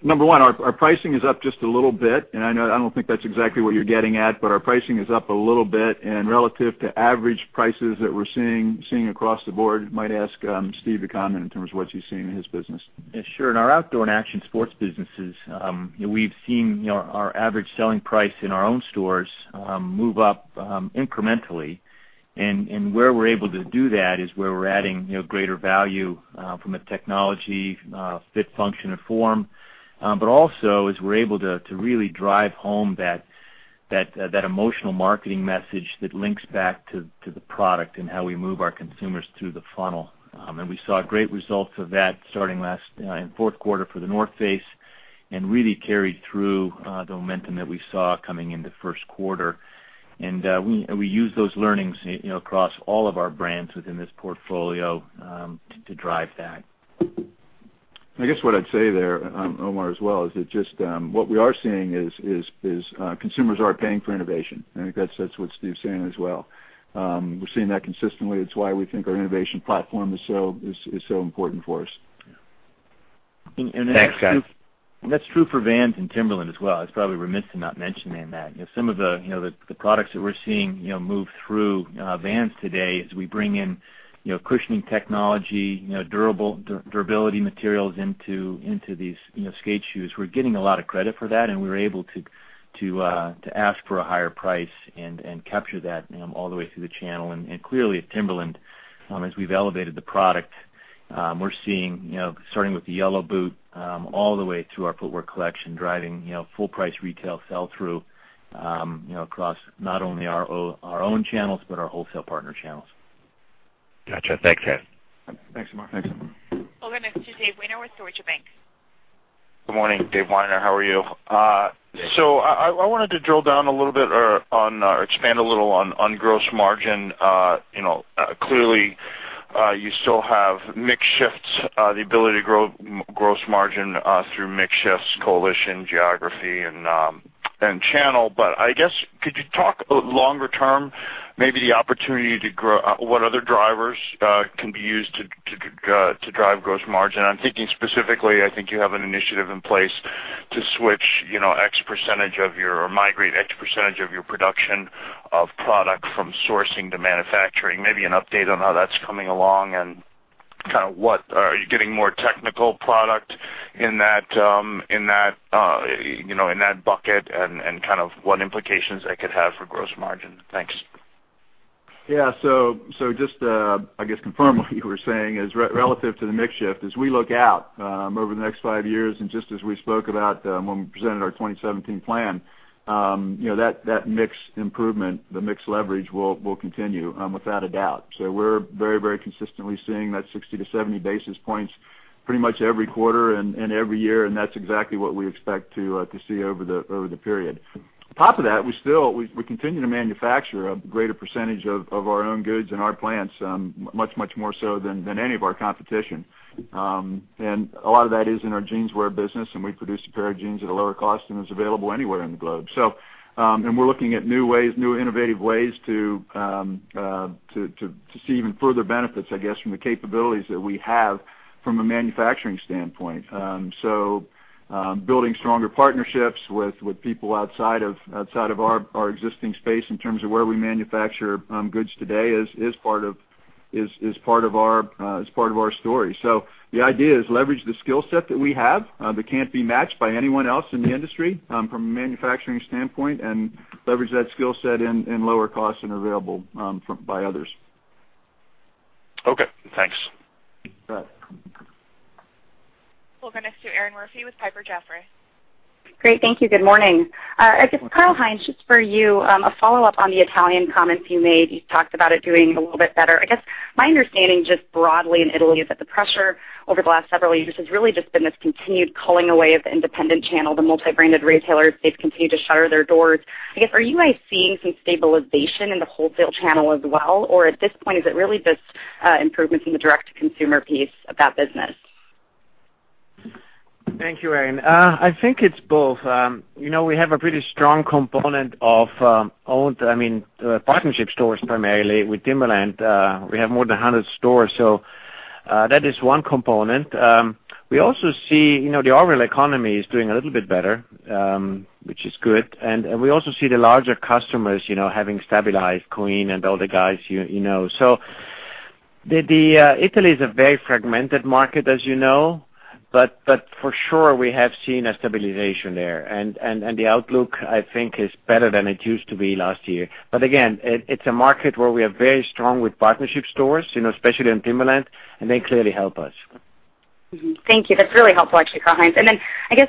Number one, our pricing is up just a little bit. I don't think that's exactly what you're getting at. Our pricing is up a little bit and relative to average prices that we're seeing across the board. Might ask Steve to comment in terms of what he's seeing in his business. Yeah, sure. In our outdoor and action sports businesses, we've seen our average selling price in our own stores move up incrementally. Where we're able to do that is where we're adding greater value from a technology fit, function, and form. Also as we're able to really drive home that emotional marketing message that links back to the product and how we move our consumers through the funnel. We saw great results of that starting in fourth quarter for The North Face and really carried through the momentum that we saw coming into first quarter. We use those learnings across all of our brands within this portfolio to drive that. I guess what I'd say there, Omar, as well, is that just what we are seeing is consumers are paying for innovation. I think that's what Steve's saying as well. We're seeing that consistently. It's why we think our innovation platform is so important for us. Thanks, guys. That's true for Vans and Timberland as well. I was probably remiss to not mention that. Some of the products that we're seeing move through Vans today as we bring in cushioning technology, durability materials into these skate shoes. We're getting a lot of credit for that, and we're able to ask for a higher price and capture that all the way through the channel. Clearly at Timberland, as we've elevated the product, we're seeing starting with the yellow boot all the way through our footwear collection, driving full price retail sell-through across not only our own channels, but our wholesale partner channels. Got you. Thanks, guys. Thanks, Omar. Thanks. We'll go next to David Weiner with Deutsche Bank. Good morning, David Weiner. How are you? Dave. I wanted to drill down a little bit or expand a little on gross margin. Clearly, you still have mix shifts, the ability to grow gross margin through mix shifts, collection, geography, and channel. I guess, could you talk longer term, maybe the opportunity to grow, what other drivers can be used to drive gross margin? I'm thinking specifically, I think you have an initiative in place to switch X% of your, or migrate X% of your production of product from sourcing to manufacturing. Maybe an update on how that's coming along and are you getting more technical product in that bucket and what implications that could have for gross margin? Thanks. Yeah. Just to, I guess, confirm what you were saying is relative to the mix shift. As we look out over the next five years, and just as we spoke about when we presented our 2017 plan, that mix improvement, the mix leverage will continue without a doubt. We're very consistently seeing that 60-70 basis points pretty much every quarter and every year, and that's exactly what we expect to see over the period. On top of that, we continue to manufacture a greater percentage of our own goods in our plants much more so than any of our competition. A lot of that is in our Jeanswear business, and we produce a pair of jeans at a lower cost than is available anywhere in the globe. We're looking at new innovative ways to see even further benefits, I guess, from the capabilities that we have from a manufacturing standpoint. Building stronger partnerships with people outside of our existing space in terms of where we manufacture goods today is part of our story. The idea is leverage the skill set that we have that can't be matched by anyone else in the industry from a manufacturing standpoint, and leverage that skill set in lower costs than available by others. Okay, thanks. You bet. We'll go next to Erinn Murphy with Piper Jaffray. Great, thank you. Good morning. I guess Karl-Heinz, just for you, a follow-up on the Italian comments you made. You talked about it doing a little bit better. I guess my understanding just broadly in Italy is that the pressure over the last several years has really just been this continued culling away of the independent channel. The multi-branded retailers, they've continued to shutter their doors. I guess, are you guys seeing some stabilization in the wholesale channel as well? Or at this point, is it really just improvements in the direct-to-consumer piece of that business? Thank you, Erinn. I think it's both. We have a pretty strong component of partnership stores primarily with Timberland. We have more than 100 stores. That is one component. We also see the overall economy is doing a little bit better, which is good. We also see the larger customers having stabilized, Kohl's and all the guys you know. Italy is a very fragmented market, as you know. For sure, we have seen a stabilization there, and the outlook, I think, is better than it used to be last year. Again, it's a market where we are very strong with partnership stores, especially in Timberland, and they clearly help us. Thank you. That's really helpful, actually, Karl-Heinz. Then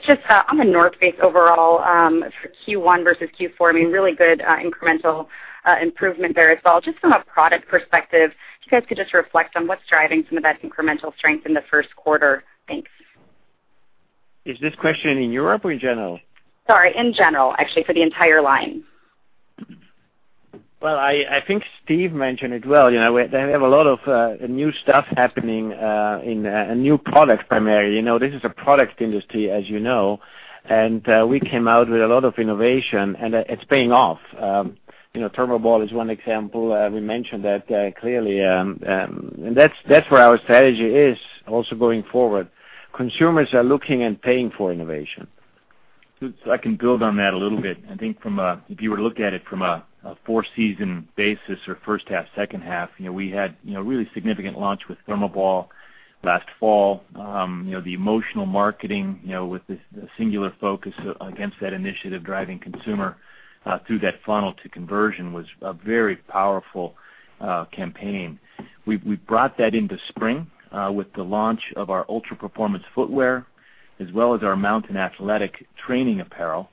just on The North Face overall, for Q1 versus Q4, really good incremental improvement there as well. Just from a product perspective, if you guys could just reflect on what's driving some of that incremental strength in the first quarter. Thanks. Is this question in Europe or in general? Sorry, in general, actually, for the entire line. Well, I think Steve Rendle mentioned it well. They have a lot of new stuff happening and new products primarily. This is a product industry, as you know. We came out with a lot of innovation, and it's paying off. ThermoBall is one example. We mentioned that clearly. That's where our strategy is also going forward. Consumers are looking and paying for innovation. I can build on that a little bit. I think if you were to look at it from a four-season basis or first half, second half, we had a really significant launch with ThermoBall last fall. The emotional marketing with the singular focus against that initiative driving consumer through that funnel to conversion was a very powerful campaign. We brought that into spring with the launch of our ultra performance footwear, as well as our Mountain Athletics training apparel,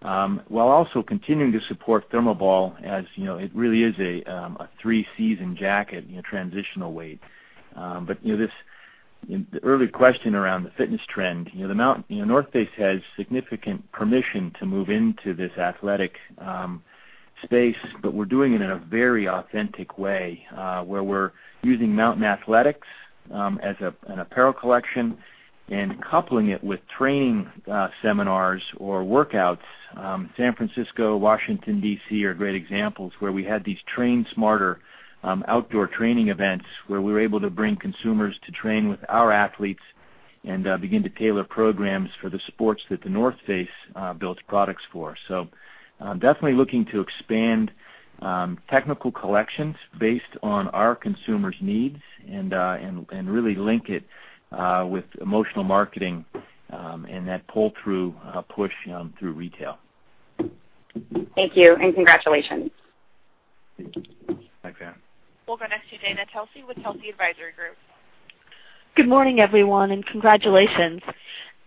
while also continuing to support ThermoBall as it really is a three-season jacket in a transitional weight. The early question around the fitness trend. The North Face has significant permission to move into this athletic space, but we're doing it in a very authentic way, where we're using Mountain Athletics as an apparel collection and coupling it with training seminars or workouts. San Francisco, Washington, D.C., are great examples where we had these train smarter outdoor training events where we were able to bring consumers to train with our athletes and begin to tailor programs for the sports that The North Face builds products for. Definitely looking to expand technical collections based on our consumers' needs and really link it with emotional marketing and that pull-through push through retail. Thank you, and congratulations. Thanks, Erinn. We'll go next to Dana Telsey with Telsey Advisory Group. Good morning, everyone, congratulations.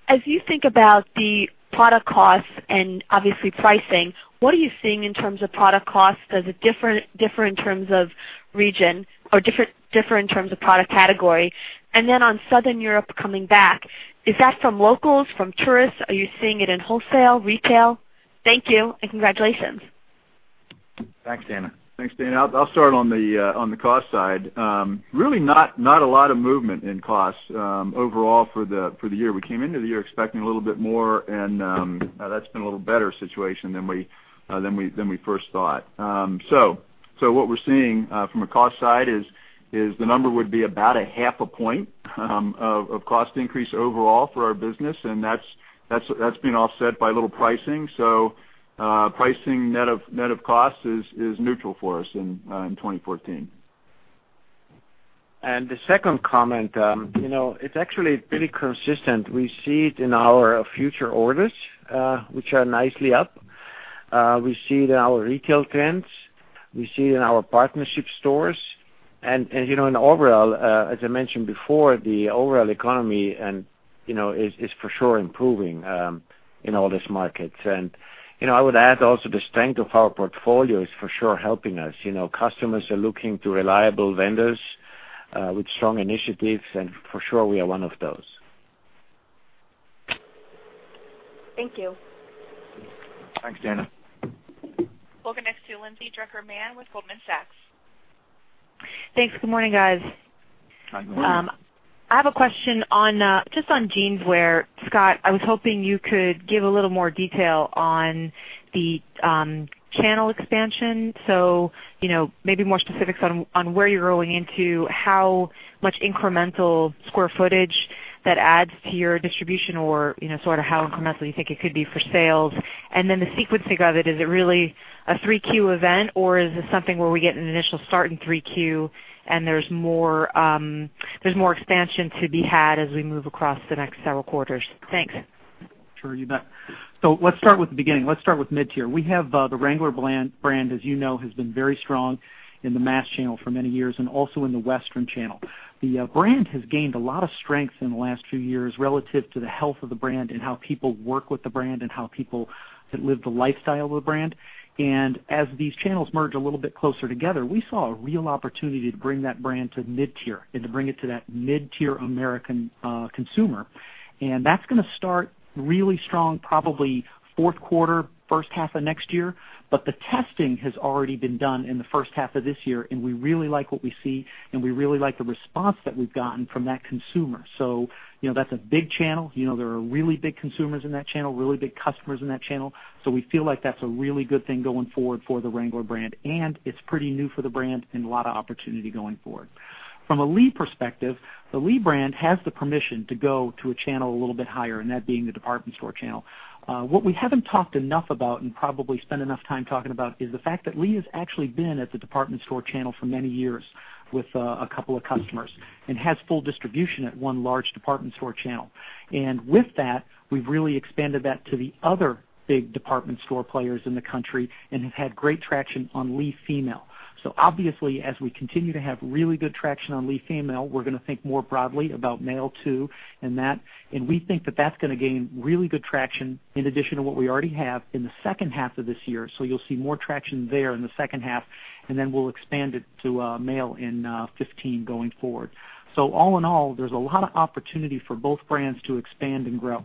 As you think about the product costs and obviously pricing, what are you seeing in terms of product costs? Does it differ in terms of region or differ in terms of product category? Then on Southern Europe coming back, is that from locals, from tourists? Are you seeing it in wholesale, retail? Thank you, and congratulations. Thanks, Dana. Thanks, Dana. I'll start on the cost side. Really not a lot of movement in costs overall for the year. We came into the year expecting a little bit more, that's been a little better situation than we first thought. What we're seeing from a cost side is the number would be about a half a point of cost increase overall for our business, and that's been offset by a little pricing. Pricing net of cost is neutral for us in 2014. The second comment. It's actually pretty consistent. We see it in our future orders, which are nicely up. We see it in our retail trends. We see it in our partnership stores. In overall, as I mentioned before, the overall economy is for sure improving in all these markets. I would add also the strength of our portfolio is for sure helping us. Customers are looking to reliable vendors with strong initiatives, for sure, we are one of those. Thank you. Thanks, Dana. We'll go next to Lindsay Drucker Mann with Goldman Sachs. Thanks. Good morning, guys. Hi, good morning. I have a question just on Jeanswear. Scott, I was hoping you could give a little more detail on the channel expansion. Maybe more specifics on where you're going into, how much incremental square footage that adds to your distribution or how incremental you think it could be for sales. Then the sequencing of it. Is it really a 3Q event, or is it something where we get an initial start in 3Q and there's more expansion to be had as we move across the next several quarters? Thanks. Sure, you bet. Let's start with the beginning. Let's start with mid-tier. We have the Wrangler brand, as you know, has been very strong in the mass channel for many years and also in the Western channel. The brand has gained a lot of strength in the last few years relative to the health of the brand and how people work with the brand and how people live the lifestyle of the brand. As these channels merge a little bit closer together, we saw a real opportunity to bring that brand to mid-tier and to bring it to that mid-tier American consumer. That's going to start really strong probably fourth quarter, first half of next year. The testing has already been done in the first half of this year, we really like what we see, we really like the response that we've gotten from that consumer. That's a big channel. There are really big consumers in that channel, really big customers in that channel. We feel like that's a really good thing going forward for the Wrangler brand, it's pretty new for the brand and a lot of opportunity going forward. From a Lee perspective, the Lee brand has the permission to go to a channel a little bit higher, that being the department store channel. What we haven't talked enough about, probably spend enough time talking about, is the fact that Lee has actually been at the department store channel for many years with a couple of customers and has full distribution at one large department store channel. With that, we've really expanded that to the other big department store players in the country and have had great traction on Lee female. Obviously, as we continue to have really good traction on Lee female, we're going to think more broadly about male, too, we think that that's going to gain really good traction in addition to what we already have in the second half of this year. You'll see more traction there in the second half, then we'll expand it to male in 2015 going forward. All in all, there's a lot of opportunity for both brands to expand and grow.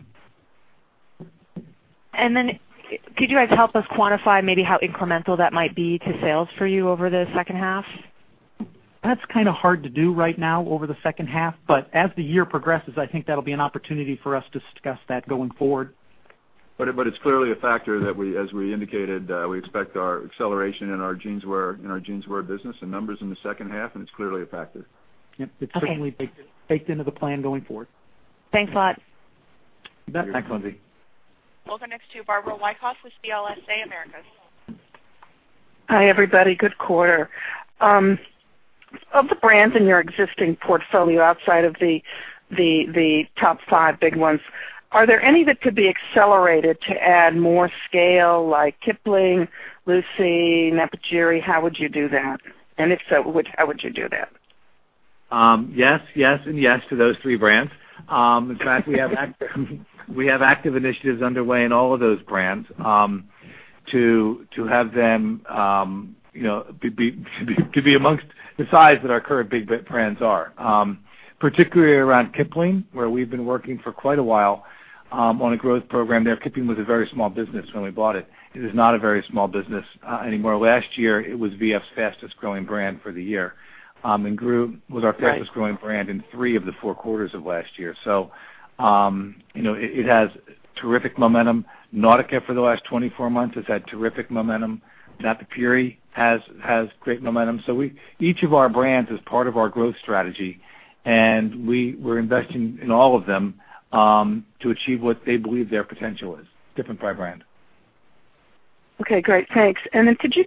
Could you guys help us quantify maybe how incremental that might be to sales for you over the second half? That's hard to do right now over the second half, but as the year progresses, I think that'll be an opportunity for us to discuss that going forward. It's clearly a factor that, as we indicated, we expect our acceleration in our jeanswear business and numbers in the second half, and it's clearly a factor. Yep. Okay. It's certainly baked into the plan going forward. Thanks a lot. Thanks, Lindsay. We'll go next to Barbara Wyckoff with CLSA Americas. Hi, everybody. Good quarter. Of the brands in your existing portfolio, outside of the top five big ones, are there any that could be accelerated to add more scale, like Kipling, lucy, Napapijri? How would you do that? If so, how would you do that? Yes, yes to those three brands. In fact, we have active initiatives underway in all of those brands to have them be amongst the size that our current big brands are. Particularly around Kipling, where we've been working for quite a while on a growth program there. Kipling was a very small business when we bought it. It is not a very small business anymore. Last year, it was V.F.'s fastest-growing brand for the year. Right It was our fastest-growing brand in three of the four quarters of last year. It has terrific momentum. Nautica, for the last 24 months, has had terrific momentum. Napapijri has great momentum. Each of our brands is part of our growth strategy, and we're investing in all of them to achieve what they believe their potential is, different by brand. Okay, great. Thanks. Could you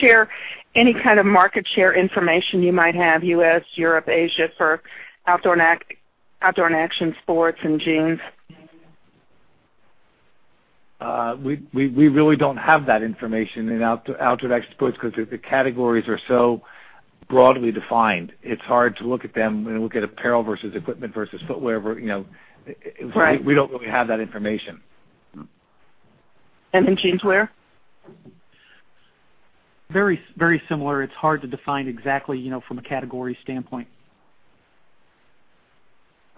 share any kind of market share information you might have, U.S., Europe, Asia, for outdoor and action sports and jeans? We really don't have that information in outdoor action sports because the categories are so broadly defined. It's hard to look at them and look at apparel versus equipment versus footwear. Right. We don't really have that information. Jeanswear? Very similar. It's hard to define exactly from a category standpoint.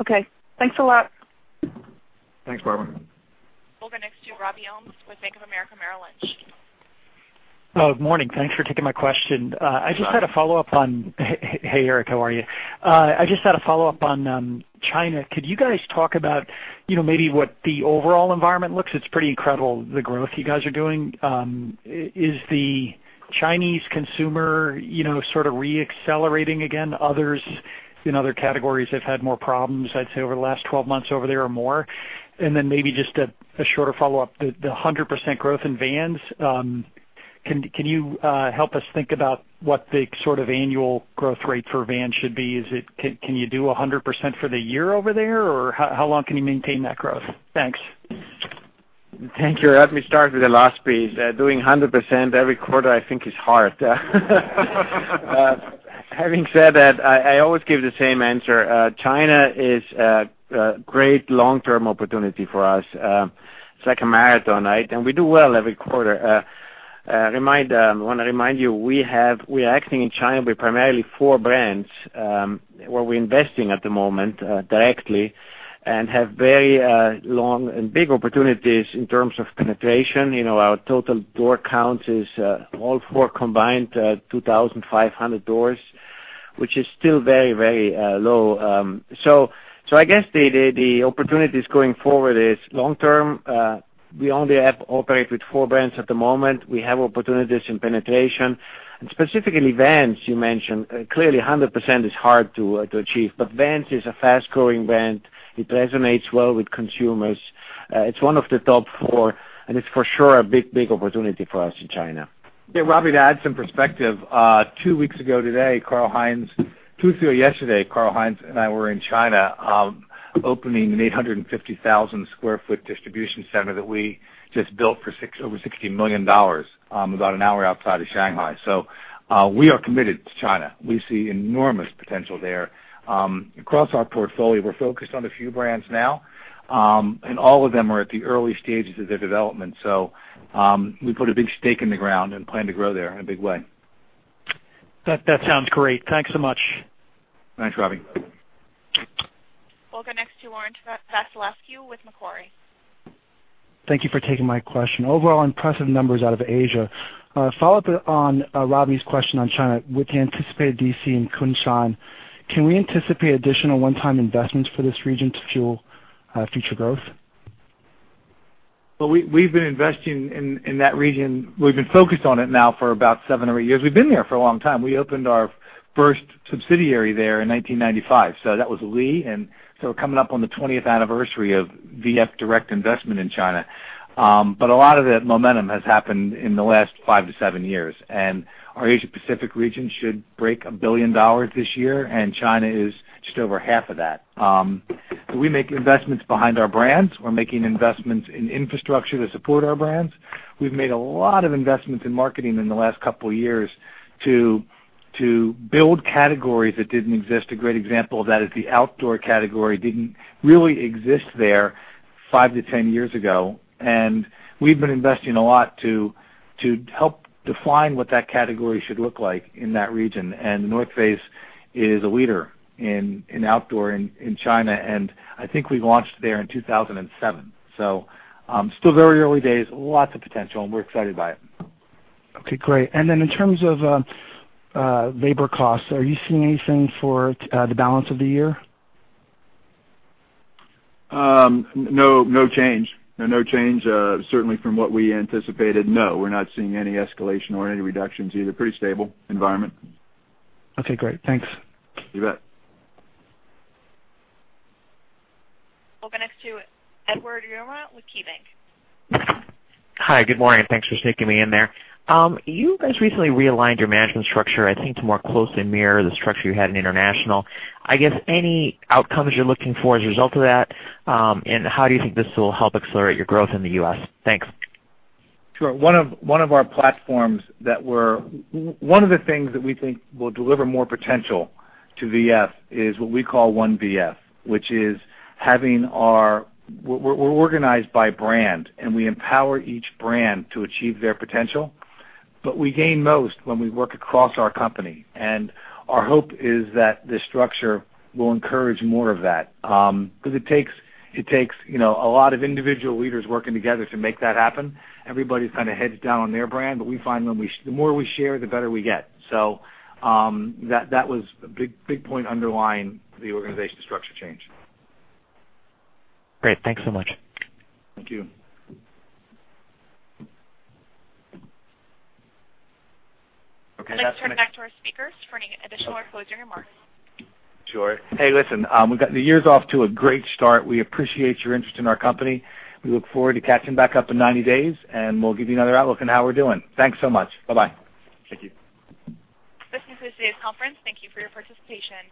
Okay. Thanks a lot. Thanks, Barbara. We'll go next to Robert Ohmes with Bank of America Merrill Lynch. Morning. Thanks for taking my question. Hi. Hey, Eric. How are you? I just had a follow-up on China. Could you guys talk about maybe what the overall environment looks? It's pretty incredible, the growth you guys are doing. Is the Chinese consumer sort of re-accelerating again? Others in other categories have had more problems, I'd say, over the last 12 months over there or more. Maybe just a shorter follow-up. The 100% growth in Vans, can you help us think about what the sort of annual growth rate for Vans should be? Can you do 100% for the year over there, or how long can you maintain that growth? Thanks. Thank you. Let me start with the last piece. Doing 100% every quarter I think is hard. Having said that, I always give the same answer. China is a great long-term opportunity for us. It's like a marathon, right? We do well every quarter. I want to remind you, we are acting in China with primarily four brands, where we're investing at the moment directly and have very long and big opportunities in terms of penetration. Our total door count is, all four combined, 2,500 doors, which is still very low. I guess the opportunities going forward is long term. We only operate with four brands at the moment. We have opportunities in penetration and specifically Vans, you mentioned. Clearly, 100% is hard to achieve. Vans is a fast-growing brand. It resonates well with consumers. It's one of the top four, it's for sure a big opportunity for us in China. Yeah, Robert, to add some perspective, two weeks ago yesterday, Karl-Heinz and I were in China opening an 850,000 sq ft distribution center that we just built for over $60 million about an hour outside of Shanghai. We are committed to China. We see enormous potential there. Across our portfolio, we're focused on a few brands now, all of them are at the early stages of their development. We put a big stake in the ground and plan to grow there in a big way. That sounds great. Thanks so much. Thanks, Robbie. We'll go next to Laurent Vasilescu with Macquarie. Thank you for taking my question. Overall impressive numbers out of Asia. A follow-up on Robbie's question on China. With the anticipated DC in Kunshan, can we anticipate additional one-time investments for this region to fuel future growth? Well, we've been investing in that region. We've been focused on it now for about seven or eight years. We've been there for a long time. We opened our first subsidiary there in 1995, so that was Lee. We're coming up on the 20th anniversary of V.F. direct investment in China. A lot of the momentum has happened in the last five to seven years. Our Asia Pacific region should break $1 billion this year, and China is just over half of that. We make investments behind our brands. We're making investments in infrastructure to support our brands. We've made a lot of investments in marketing in the last couple of years to build categories that didn't exist. A great example of that is the outdoor category didn't really exist there five to 10 years ago, we've been investing a lot to help define what that category should look like in that region. The North Face is a leader in outdoor in China, I think we launched there in 2007. Still very early days, lots of potential, we're excited by it. Okay, great. Then in terms of labor costs, are you seeing anything for the balance of the year? No change. Certainly from what we anticipated, no, we're not seeing any escalation or any reductions either. Pretty stable environment. Okay, great. Thanks. You bet. We'll go next to Edward Yruma with KeyBanc. Hi. Good morning. Thanks for sneaking me in there. You guys recently realigned your management structure, I think, to more closely mirror the structure you had in international. I guess, any outcomes you're looking for as a result of that, and how do you think this will help accelerate your growth in the U.S.? Thanks. Sure. One of the things that we think will deliver more potential to V.F. is what we call One VF, which is we're organized by brand, and we empower each brand to achieve their potential. We gain most when we work across our company, and our hope is that the structure will encourage more of that. It takes a lot of individual leaders working together to make that happen. Everybody's kind of heads down on their brand, but we find the more we share, the better we get. That was a big point underlying the organizational structure change. Great. Thanks so much. Thank you. Okay, that's going to. Let's turn back to our speakers for any additional or closing remarks. Sure. Hey, listen. The year's off to a great start. We appreciate your interest in our company. We look forward to catching back up in 90 days, and we'll give you another outlook on how we're doing. Thanks so much. Bye-bye. Thank you. This concludes today's conference. Thank you for your participation.